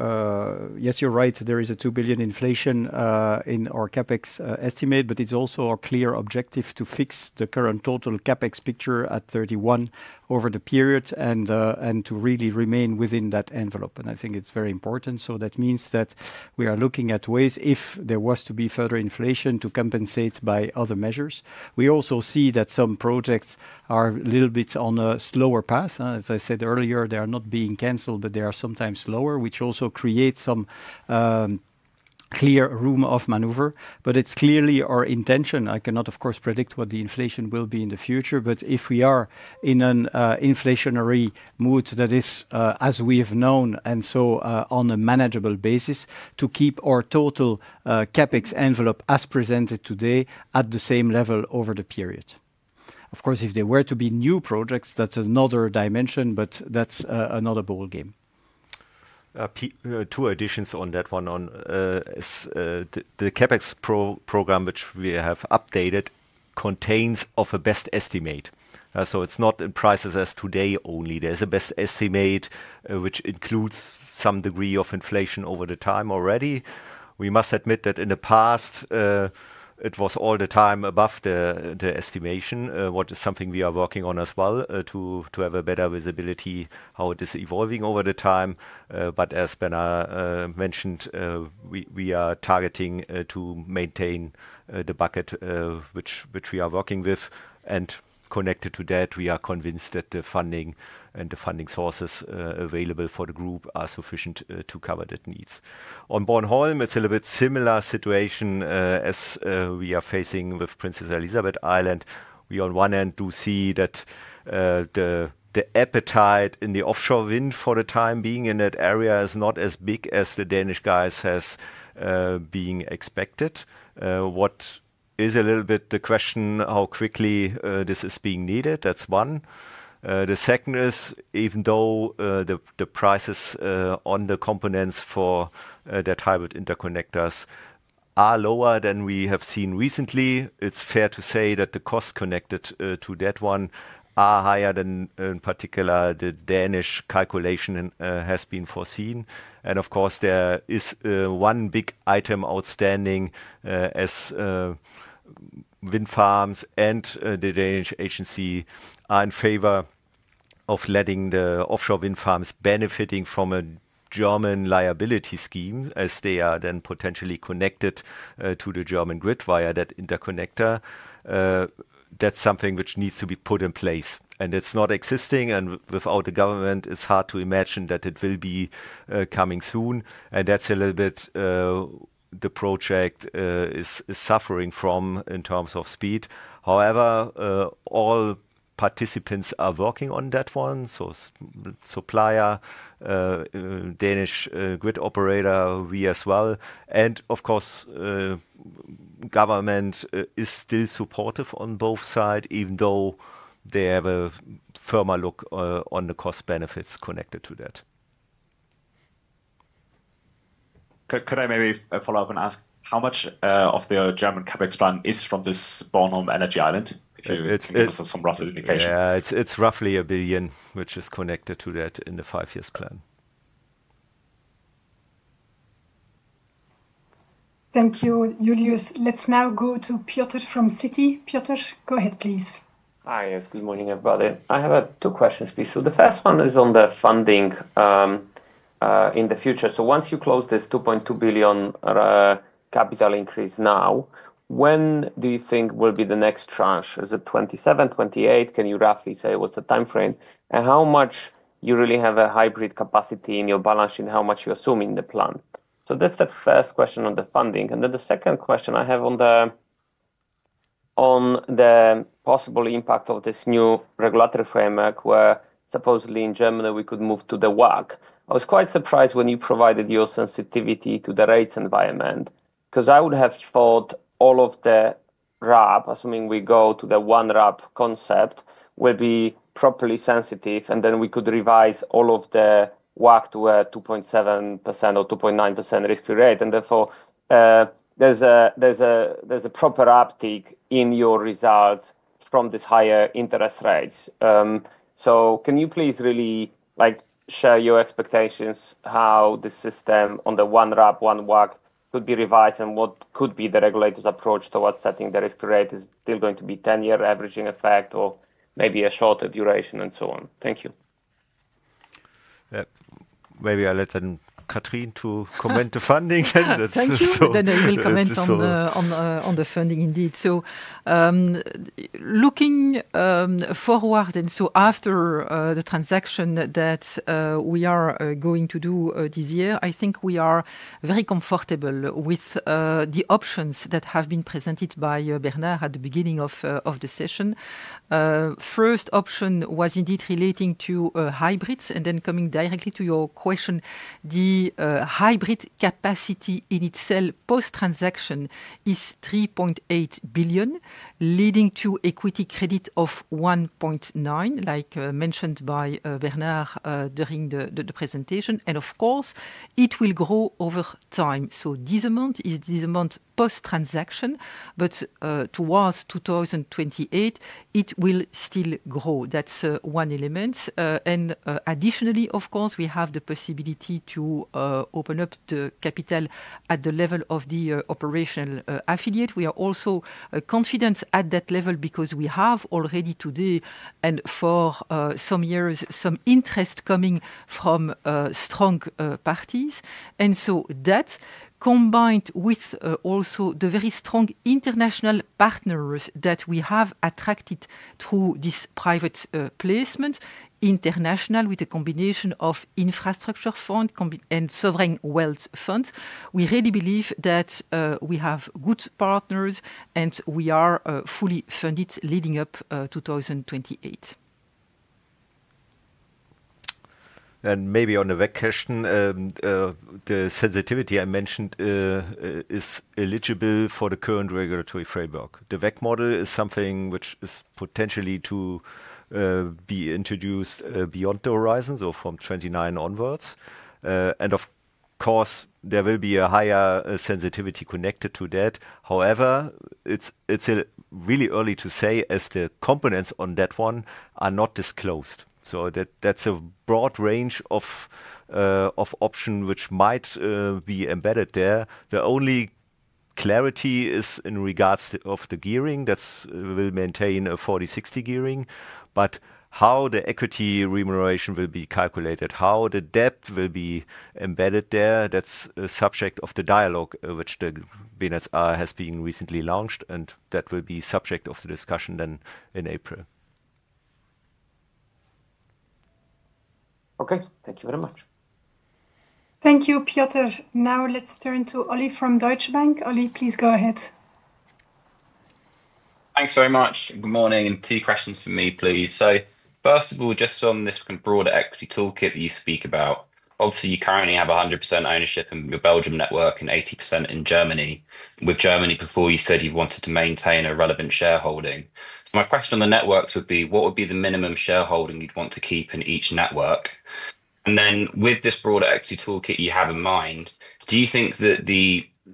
Yes, you're right. There is a 2 billion inflation in our CapEx estimate, but it's also our clear objective to fix the current total CapEx picture at 31 billion over the period and to really remain within that envelope. I think it's very important. That means that we are looking at ways, if there was to be further inflation, to compensate by other measures. We also see that some projects are a little bit on a slower path. As I said earlier, they are not being canceled, but they are sometimes slower, which also creates some clear room of maneuver. It's clearly our intention. I cannot, of course, predict what the inflation will be in the future. If we are in an inflationary mood that is, as we have known, and so on a manageable basis, to keep our total CAPEX envelope as presented today at the same level over the period. Of course, if there were to be new projects, that is another dimension, but that is another ballgame. Two additions on that one. The CapEx program, which we have updated, contains a best estimate. So it's not in prices as today only. There's a best estimate which includes some degree of inflation over the time already. We must admit that in the past, it was all the time above the estimation, which is something we are working on as well to have a better visibility of how it is evolving over the time. As Bernard mentioned, we are targeting to maintain the bucket which we are working with. Connected to that, we are convinced that the funding and the funding sources available for the group are sufficient to cover that needs. On Bornholm, it's a little bit similar situation as we are facing with Princess Elisabeth Island. We, on one hand, do see that the appetite in the offshore wind for the time being in that area is not as big as the Danish guys have been expected. What is a little bit the question, how quickly this is being needed? That's one. The second is, even though the prices on the components for that hybrid interconnectors are lower than we have seen recently, it's fair to say that the costs connected to that one are higher than in particular the Danish calculation has been foreseen. Of course, there is one big item outstanding as wind farms and the Danish agency are in favor of letting the offshore wind farms benefit from a German liability scheme as they are then potentially connected to the German grid via that interconnector. That's something which needs to be put in place. It's not existing. Without the government, it's hard to imagine that it will be coming soon. That's a little bit what the project is suffering from in terms of speed. However, all participants are working on that one: supplier, Danish grid operator, we as well. Of course, government is still supportive on both sides, even though they have a firmer look on the cost benefits connected to that. Could I maybe follow up and ask how much of the German CapEx plan is from this Bornholm Energy Island? If you give us some rough indication. Yeah, it's roughly 1 billion, which is connected to that in the five-year plan. Thank you, Julius. Let's now go to Piotr from Citi. Peter, go ahead, please. Hi, yes, good morning, everybody. I have two questions, please. The first one is on the funding in the future. Once you close this 2.2 billion capital increase now, when do you think will be the next tranche? Is it 2027, 2028? Can you roughly say what's the time frame? How much you really have a hybrid capacity in your balance sheet and how much you're assuming in the plan? That's the first question on the funding. The second question I have is on the possible impact of this new regulatory framework where supposedly in Germany we could move to the WACC. I was quite surprised when you provided your sensitivity to the rates environment because I would have thought all of the RAB, assuming we go to the one RAB concept, will be properly sensitive, and then we could revise all of the WACC to a 2.7% or 2.9% risk-free rate. Therefore, there is a proper uptick in your results from these higher interest rates. Can you please really share your expectations how the system on the one RAB, one WACC could be revised and what could be the regulator's approach towards setting the risk-free rate? Is it still going to be a 10-year averaging effect or maybe a shorter duration and so on? Thank you. Maybe I'll let Catherine comment on funding. Thank you. I will comment on the funding indeed. Looking forward, after the transaction that we are going to do this year, I think we are very comfortable with the options that have been presented by Bernard at the beginning of the session. The first option was indeed relating to hybrids. Coming directly to your question, the hybrid capacity in itself post-transaction is 3.8 billion, leading to equity credit of 1.9 billion, like mentioned by Bernard during the presentation. Of course, it will grow over time. This amount is this amount post-transaction, but towards 2028, it will still grow. That is one element. Additionally, of course, we have the possibility to open up the capital at the level of the operational affiliate. We are also confident at that level because we have already today and for some years some interest coming from strong parties. That combined with also the very strong international partners that we have attracted through this private placement, international with a combination of infrastructure fund and sovereign wealth funds, we really believe that we have good partners and we are fully funded leading up to 2028. Maybe on the WEC question, the sensitivity I mentioned is eligible for the current regulatory framework. The WEC model is something which is potentially to be introduced beyond the horizon, so from 2029 onwards. Of course, there will be a higher sensitivity connected to that. However, it's really early to say as the components on that one are not disclosed. That's a broad range of options which might be embedded there. The only clarity is in regards to the gearing that will maintain a 40/60 gearing. How the equity remuneration will be calculated, how the debt will be embedded there, that's a subject of the dialogue which the BNSR has been recently launched, and that will be subject of the discussion then in April. Okay, thank you very much. Thank you, Piotr. Now let's turn to Olly from Deutsche Bank. Olly, please go ahead. Thanks very much. Good morning. Two questions for me, please. First of all, just on this broader equity toolkit that you speak about, obviously you currently have 100% ownership in your Belgium network and 80% in Germany. With Germany, before you said you wanted to maintain a relevant shareholding. My question on the networks would be, what would be the minimum shareholding you'd want to keep in each network? With this broader equity toolkit you have in mind, do you think that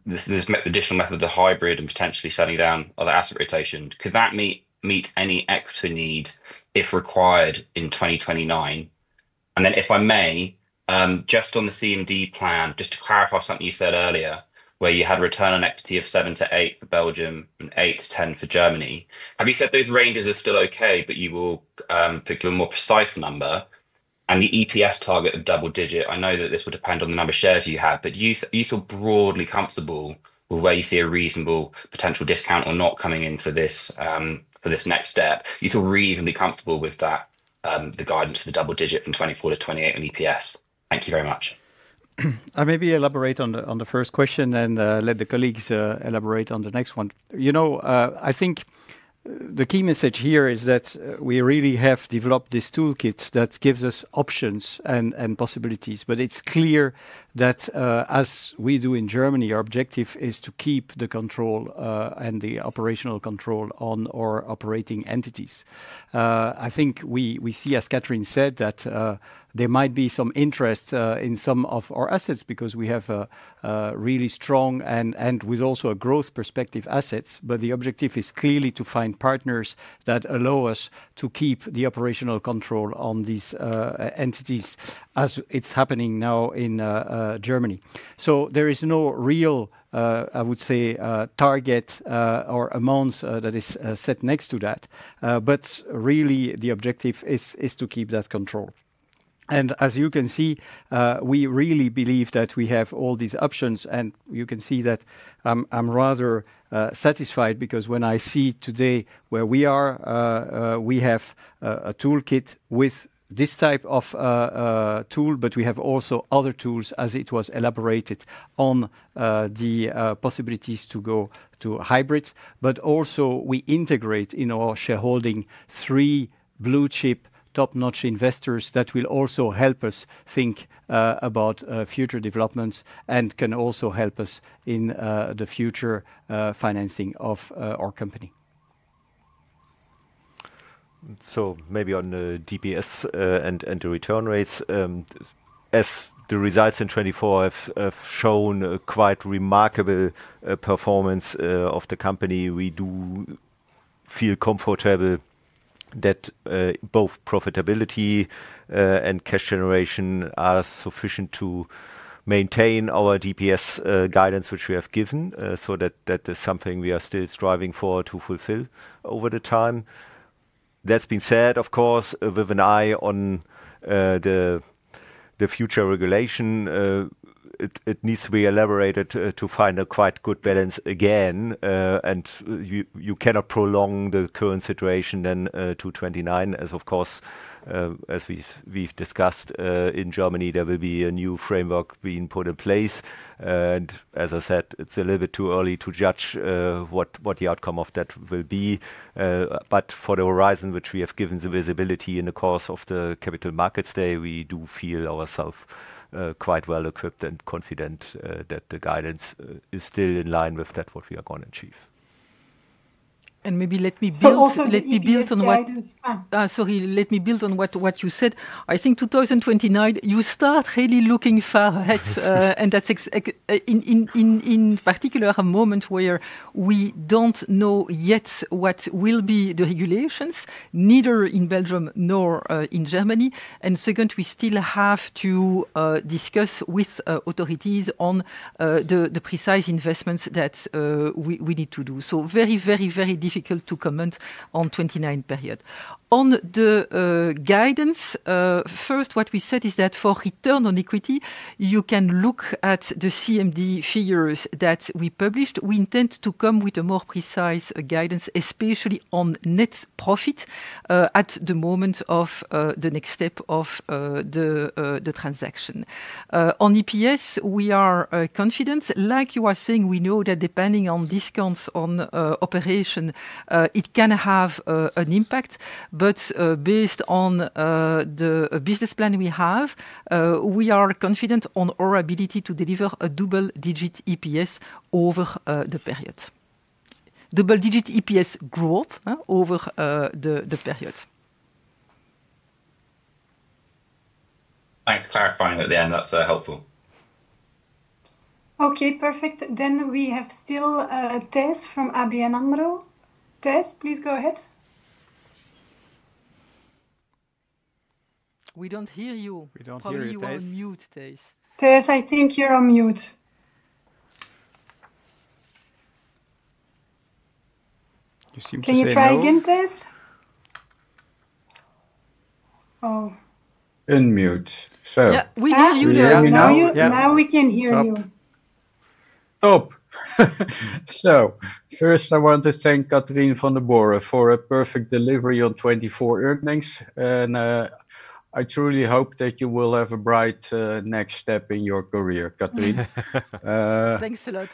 this additional method of the hybrid and potentially setting down other asset rotations, could that meet any equity need if required in 2029? If I may, just on the CMD plan, just to clarify something you said earlier where you had a return on equity of 7%-8% for Belgium and 8%-10% for Germany, have you said those ranges are still okay, but you will pick a more precise number? The EPS target of double digit, I know that this will depend on the number of shares you have, but you feel broadly comfortable with where you see a reasonable potential discount or not coming in for this next step? You feel reasonably comfortable with that, the guidance for the double digit from 24%-28% on EPS? Thank you very much. I maybe elaborate on the first question and let the colleagues elaborate on the next one. You know, I think the key message here is that we really have developed this toolkit that gives us options and possibilities, but it's clear that as we do in Germany, our objective is to keep the control and the operational control on our operating entities. I think we see, as Catherine said, that there might be some interest in some of our assets because we have really strong and with also a growth perspective assets, but the objective is clearly to find partners that allow us to keep the operational control on these entities as it's happening now in Germany. There is no real, I would say, target or amount that is set next to that, but really the objective is to keep that control. As you can see, we really believe that we have all these options, and you can see that I'm rather satisfied because when I see today where we are, we have a toolkit with this type of tool, but we have also other tools as it was elaborated on the possibilities to go to hybrid. We also integrate in our shareholding three blue chip top-notch investors that will also help us think about future developments and can also help us in the future financing of our company. Maybe on the DPS and the return rates, as the results in 2024 have shown quite remarkable performance of the company, we do feel comfortable that both profitability and cash generation are sufficient to maintain our DPS guidance which we have given. That is something we are still striving for to fulfill over the time. That being said, of course, with an eye on the future regulation, it needs to be elaborated to find a quite good balance again. You cannot prolong the current situation then to 2029, as of course, as we've discussed in Germany, there will be a new framework being put in place. As I said, it's a little bit too early to judge what the outcome of that will be. For the horizon which we have given the visibility in the course of the Capital Markets Day, we do feel ourselves quite well equipped and confident that the guidance is still in line with that, what we are going to achieve. Maybe let me build on what you said. I think 2029, you start really looking far ahead. That is in particular a moment where we do not know yet what will be the regulations, neither in Belgium nor in Germany. Second, we still have to discuss with authorities on the precise investments that we need to do. Very, very, very difficult to comment on the 2029 period. On the guidance, first, what we said is that for return on equity, you can look at the CMD figures that we published. We intend to come with a more precise guidance, especially on net profit at the moment of the next step of the transaction. On EPS, we are confident. Like you are saying, we know that depending on discounts on operation, it can have an impact. Based on the business plan we have, we are confident on our ability to deliver a double-digit EPS over the period. Double-digit EPS growth over the period. Thanks for clarifying at the end. That's helpful. Okay, perfect. We have still Thijs from ABNAMRO. Thijs, please go ahead. We don't hear you. We don't hear you, Thijs. You're on mute, Thijs. Thijs, I think you're on mute. You seem to hear me. Can you try again, Thijs? Oh. Unmute. So. Yeah, we hear you now. Now we can hear you. Oh. First, I want to thank Catherine Vandenborre for a perfect delivery on 2024 earnings. I truly hope that you will have a bright next step in your career, Catherine. Thanks a lot.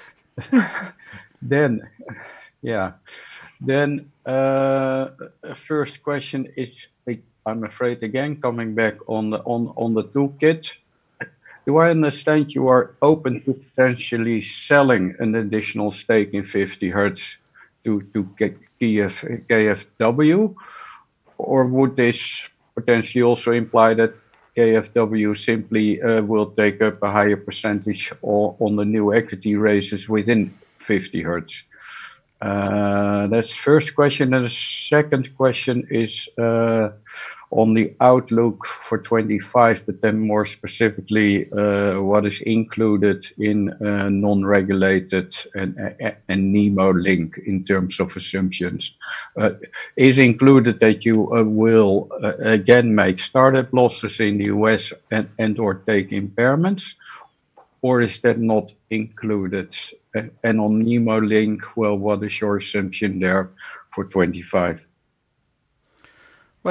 Yeah. The first question is, I'm afraid again coming back on the toolkit. Do I understand you are open to potentially selling an additional stake in 50Hertz to KfW? Or would this potentially also imply that KfW simply will take up a higher percentage on the new equity raises within 50Hertz? That's the first question. The second question is on the outlook for 2025, but then more specifically, what is included in non-regulated and Nemo Link in terms of assumptions? Is it included that you will again make startup losses in the U.S. and/or take impairments? Or is that not included? On Nemo Link, what is your assumption there for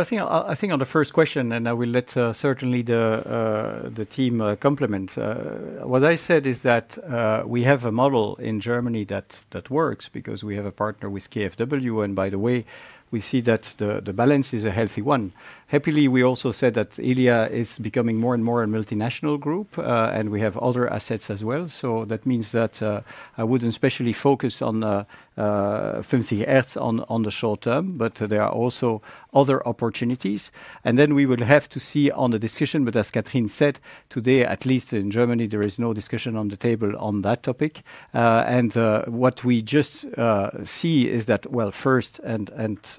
2025? I think on the first question, and I will let certainly the team complement. What I said is that we have a model in Germany that works because we have a partner with KfW. By the way, we see that the balance is a healthy one. Happily, we also said that Elia is becoming more and more a multinational group, and we have other assets as well. That means that I would not especially focus on 50Hertz on the short term, but there are also other opportunities. We will have to see on the decision, but as Catherine said today, at least in Germany, there is no discussion on the table on that topic. What we just see is that, first,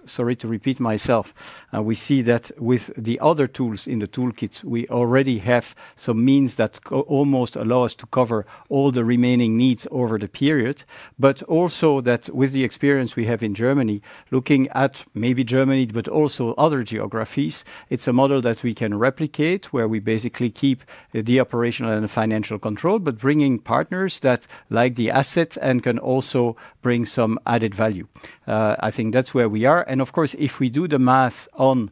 sorry to repeat myself, we see that with the other tools in the toolkit, we already have some means that almost allow us to cover all the remaining needs over the period, but also that with the experience we have in Germany, looking at maybe Germany, but also other geographies, it's a model that we can replicate where we basically keep the operational and financial control, but bringing partners that like the asset and can also bring some added value. I think that's where we are. Of course, if we do the math on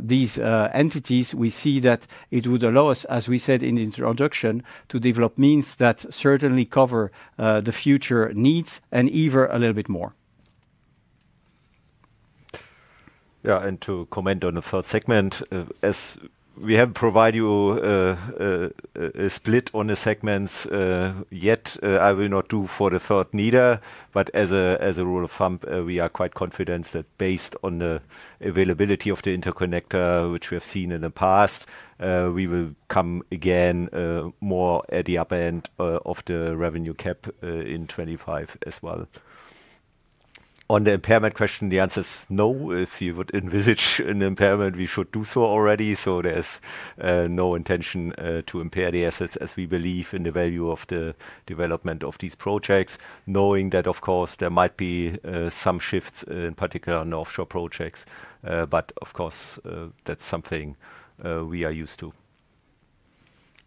these entities, we see that it would allow us, as we said in the introduction, to develop means that certainly cover the future needs and even a little bit more. Yeah, and to comment on the third segment, as we haven't provided you a split on the segments yet, I will not do for the third neither. As a rule of thumb, we are quite confident that based on the availability of the interconnector, which we have seen in the past, we will come again more at the upend of the revenue cap in 2025 as well. On the impairment question, the answer is no. If you would envisage an impairment, we should do so already. There is no intention to impair the assets as we believe in the value of the development of these projects, knowing that, of course, there might be some shifts, in particular on the offshore projects. Of course, that's something we are used to.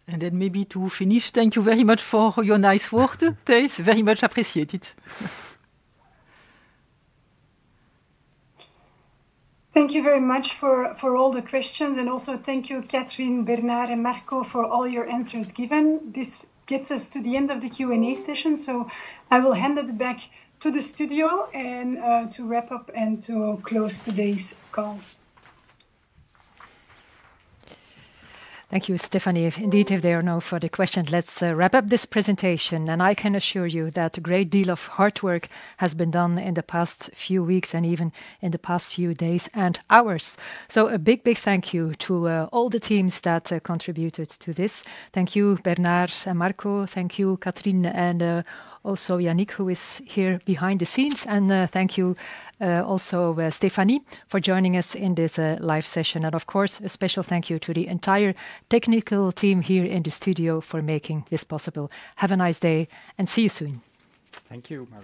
Maybe to finish, thank you very much for your nice words, Tess. Very much appreciated. Thank you very much for all the questions. Also thank you, Catherine, Bernard, and Marco for all your answers given. This gets us to the end of the Q&A session. I will hand it back to the studio to wrap up and to close today's call. Thank you, Stéphanie. Indeed, if there are no further questions, let's wrap up this presentation. I can assure you that a great deal of hard work has been done in the past few weeks and even in the past few days and hours. A big, big thank you to all the teams that contributed to this. Thank you, Bernard and Marco. Thank you, Catherine, and also Yannick, who is here behind the scenes. Thank you also, Stéphanie, for joining us in this live session. Of course, a special thank you to the entire technical team here in the studio for making this possible. Have a nice day and see you soon. Thank you.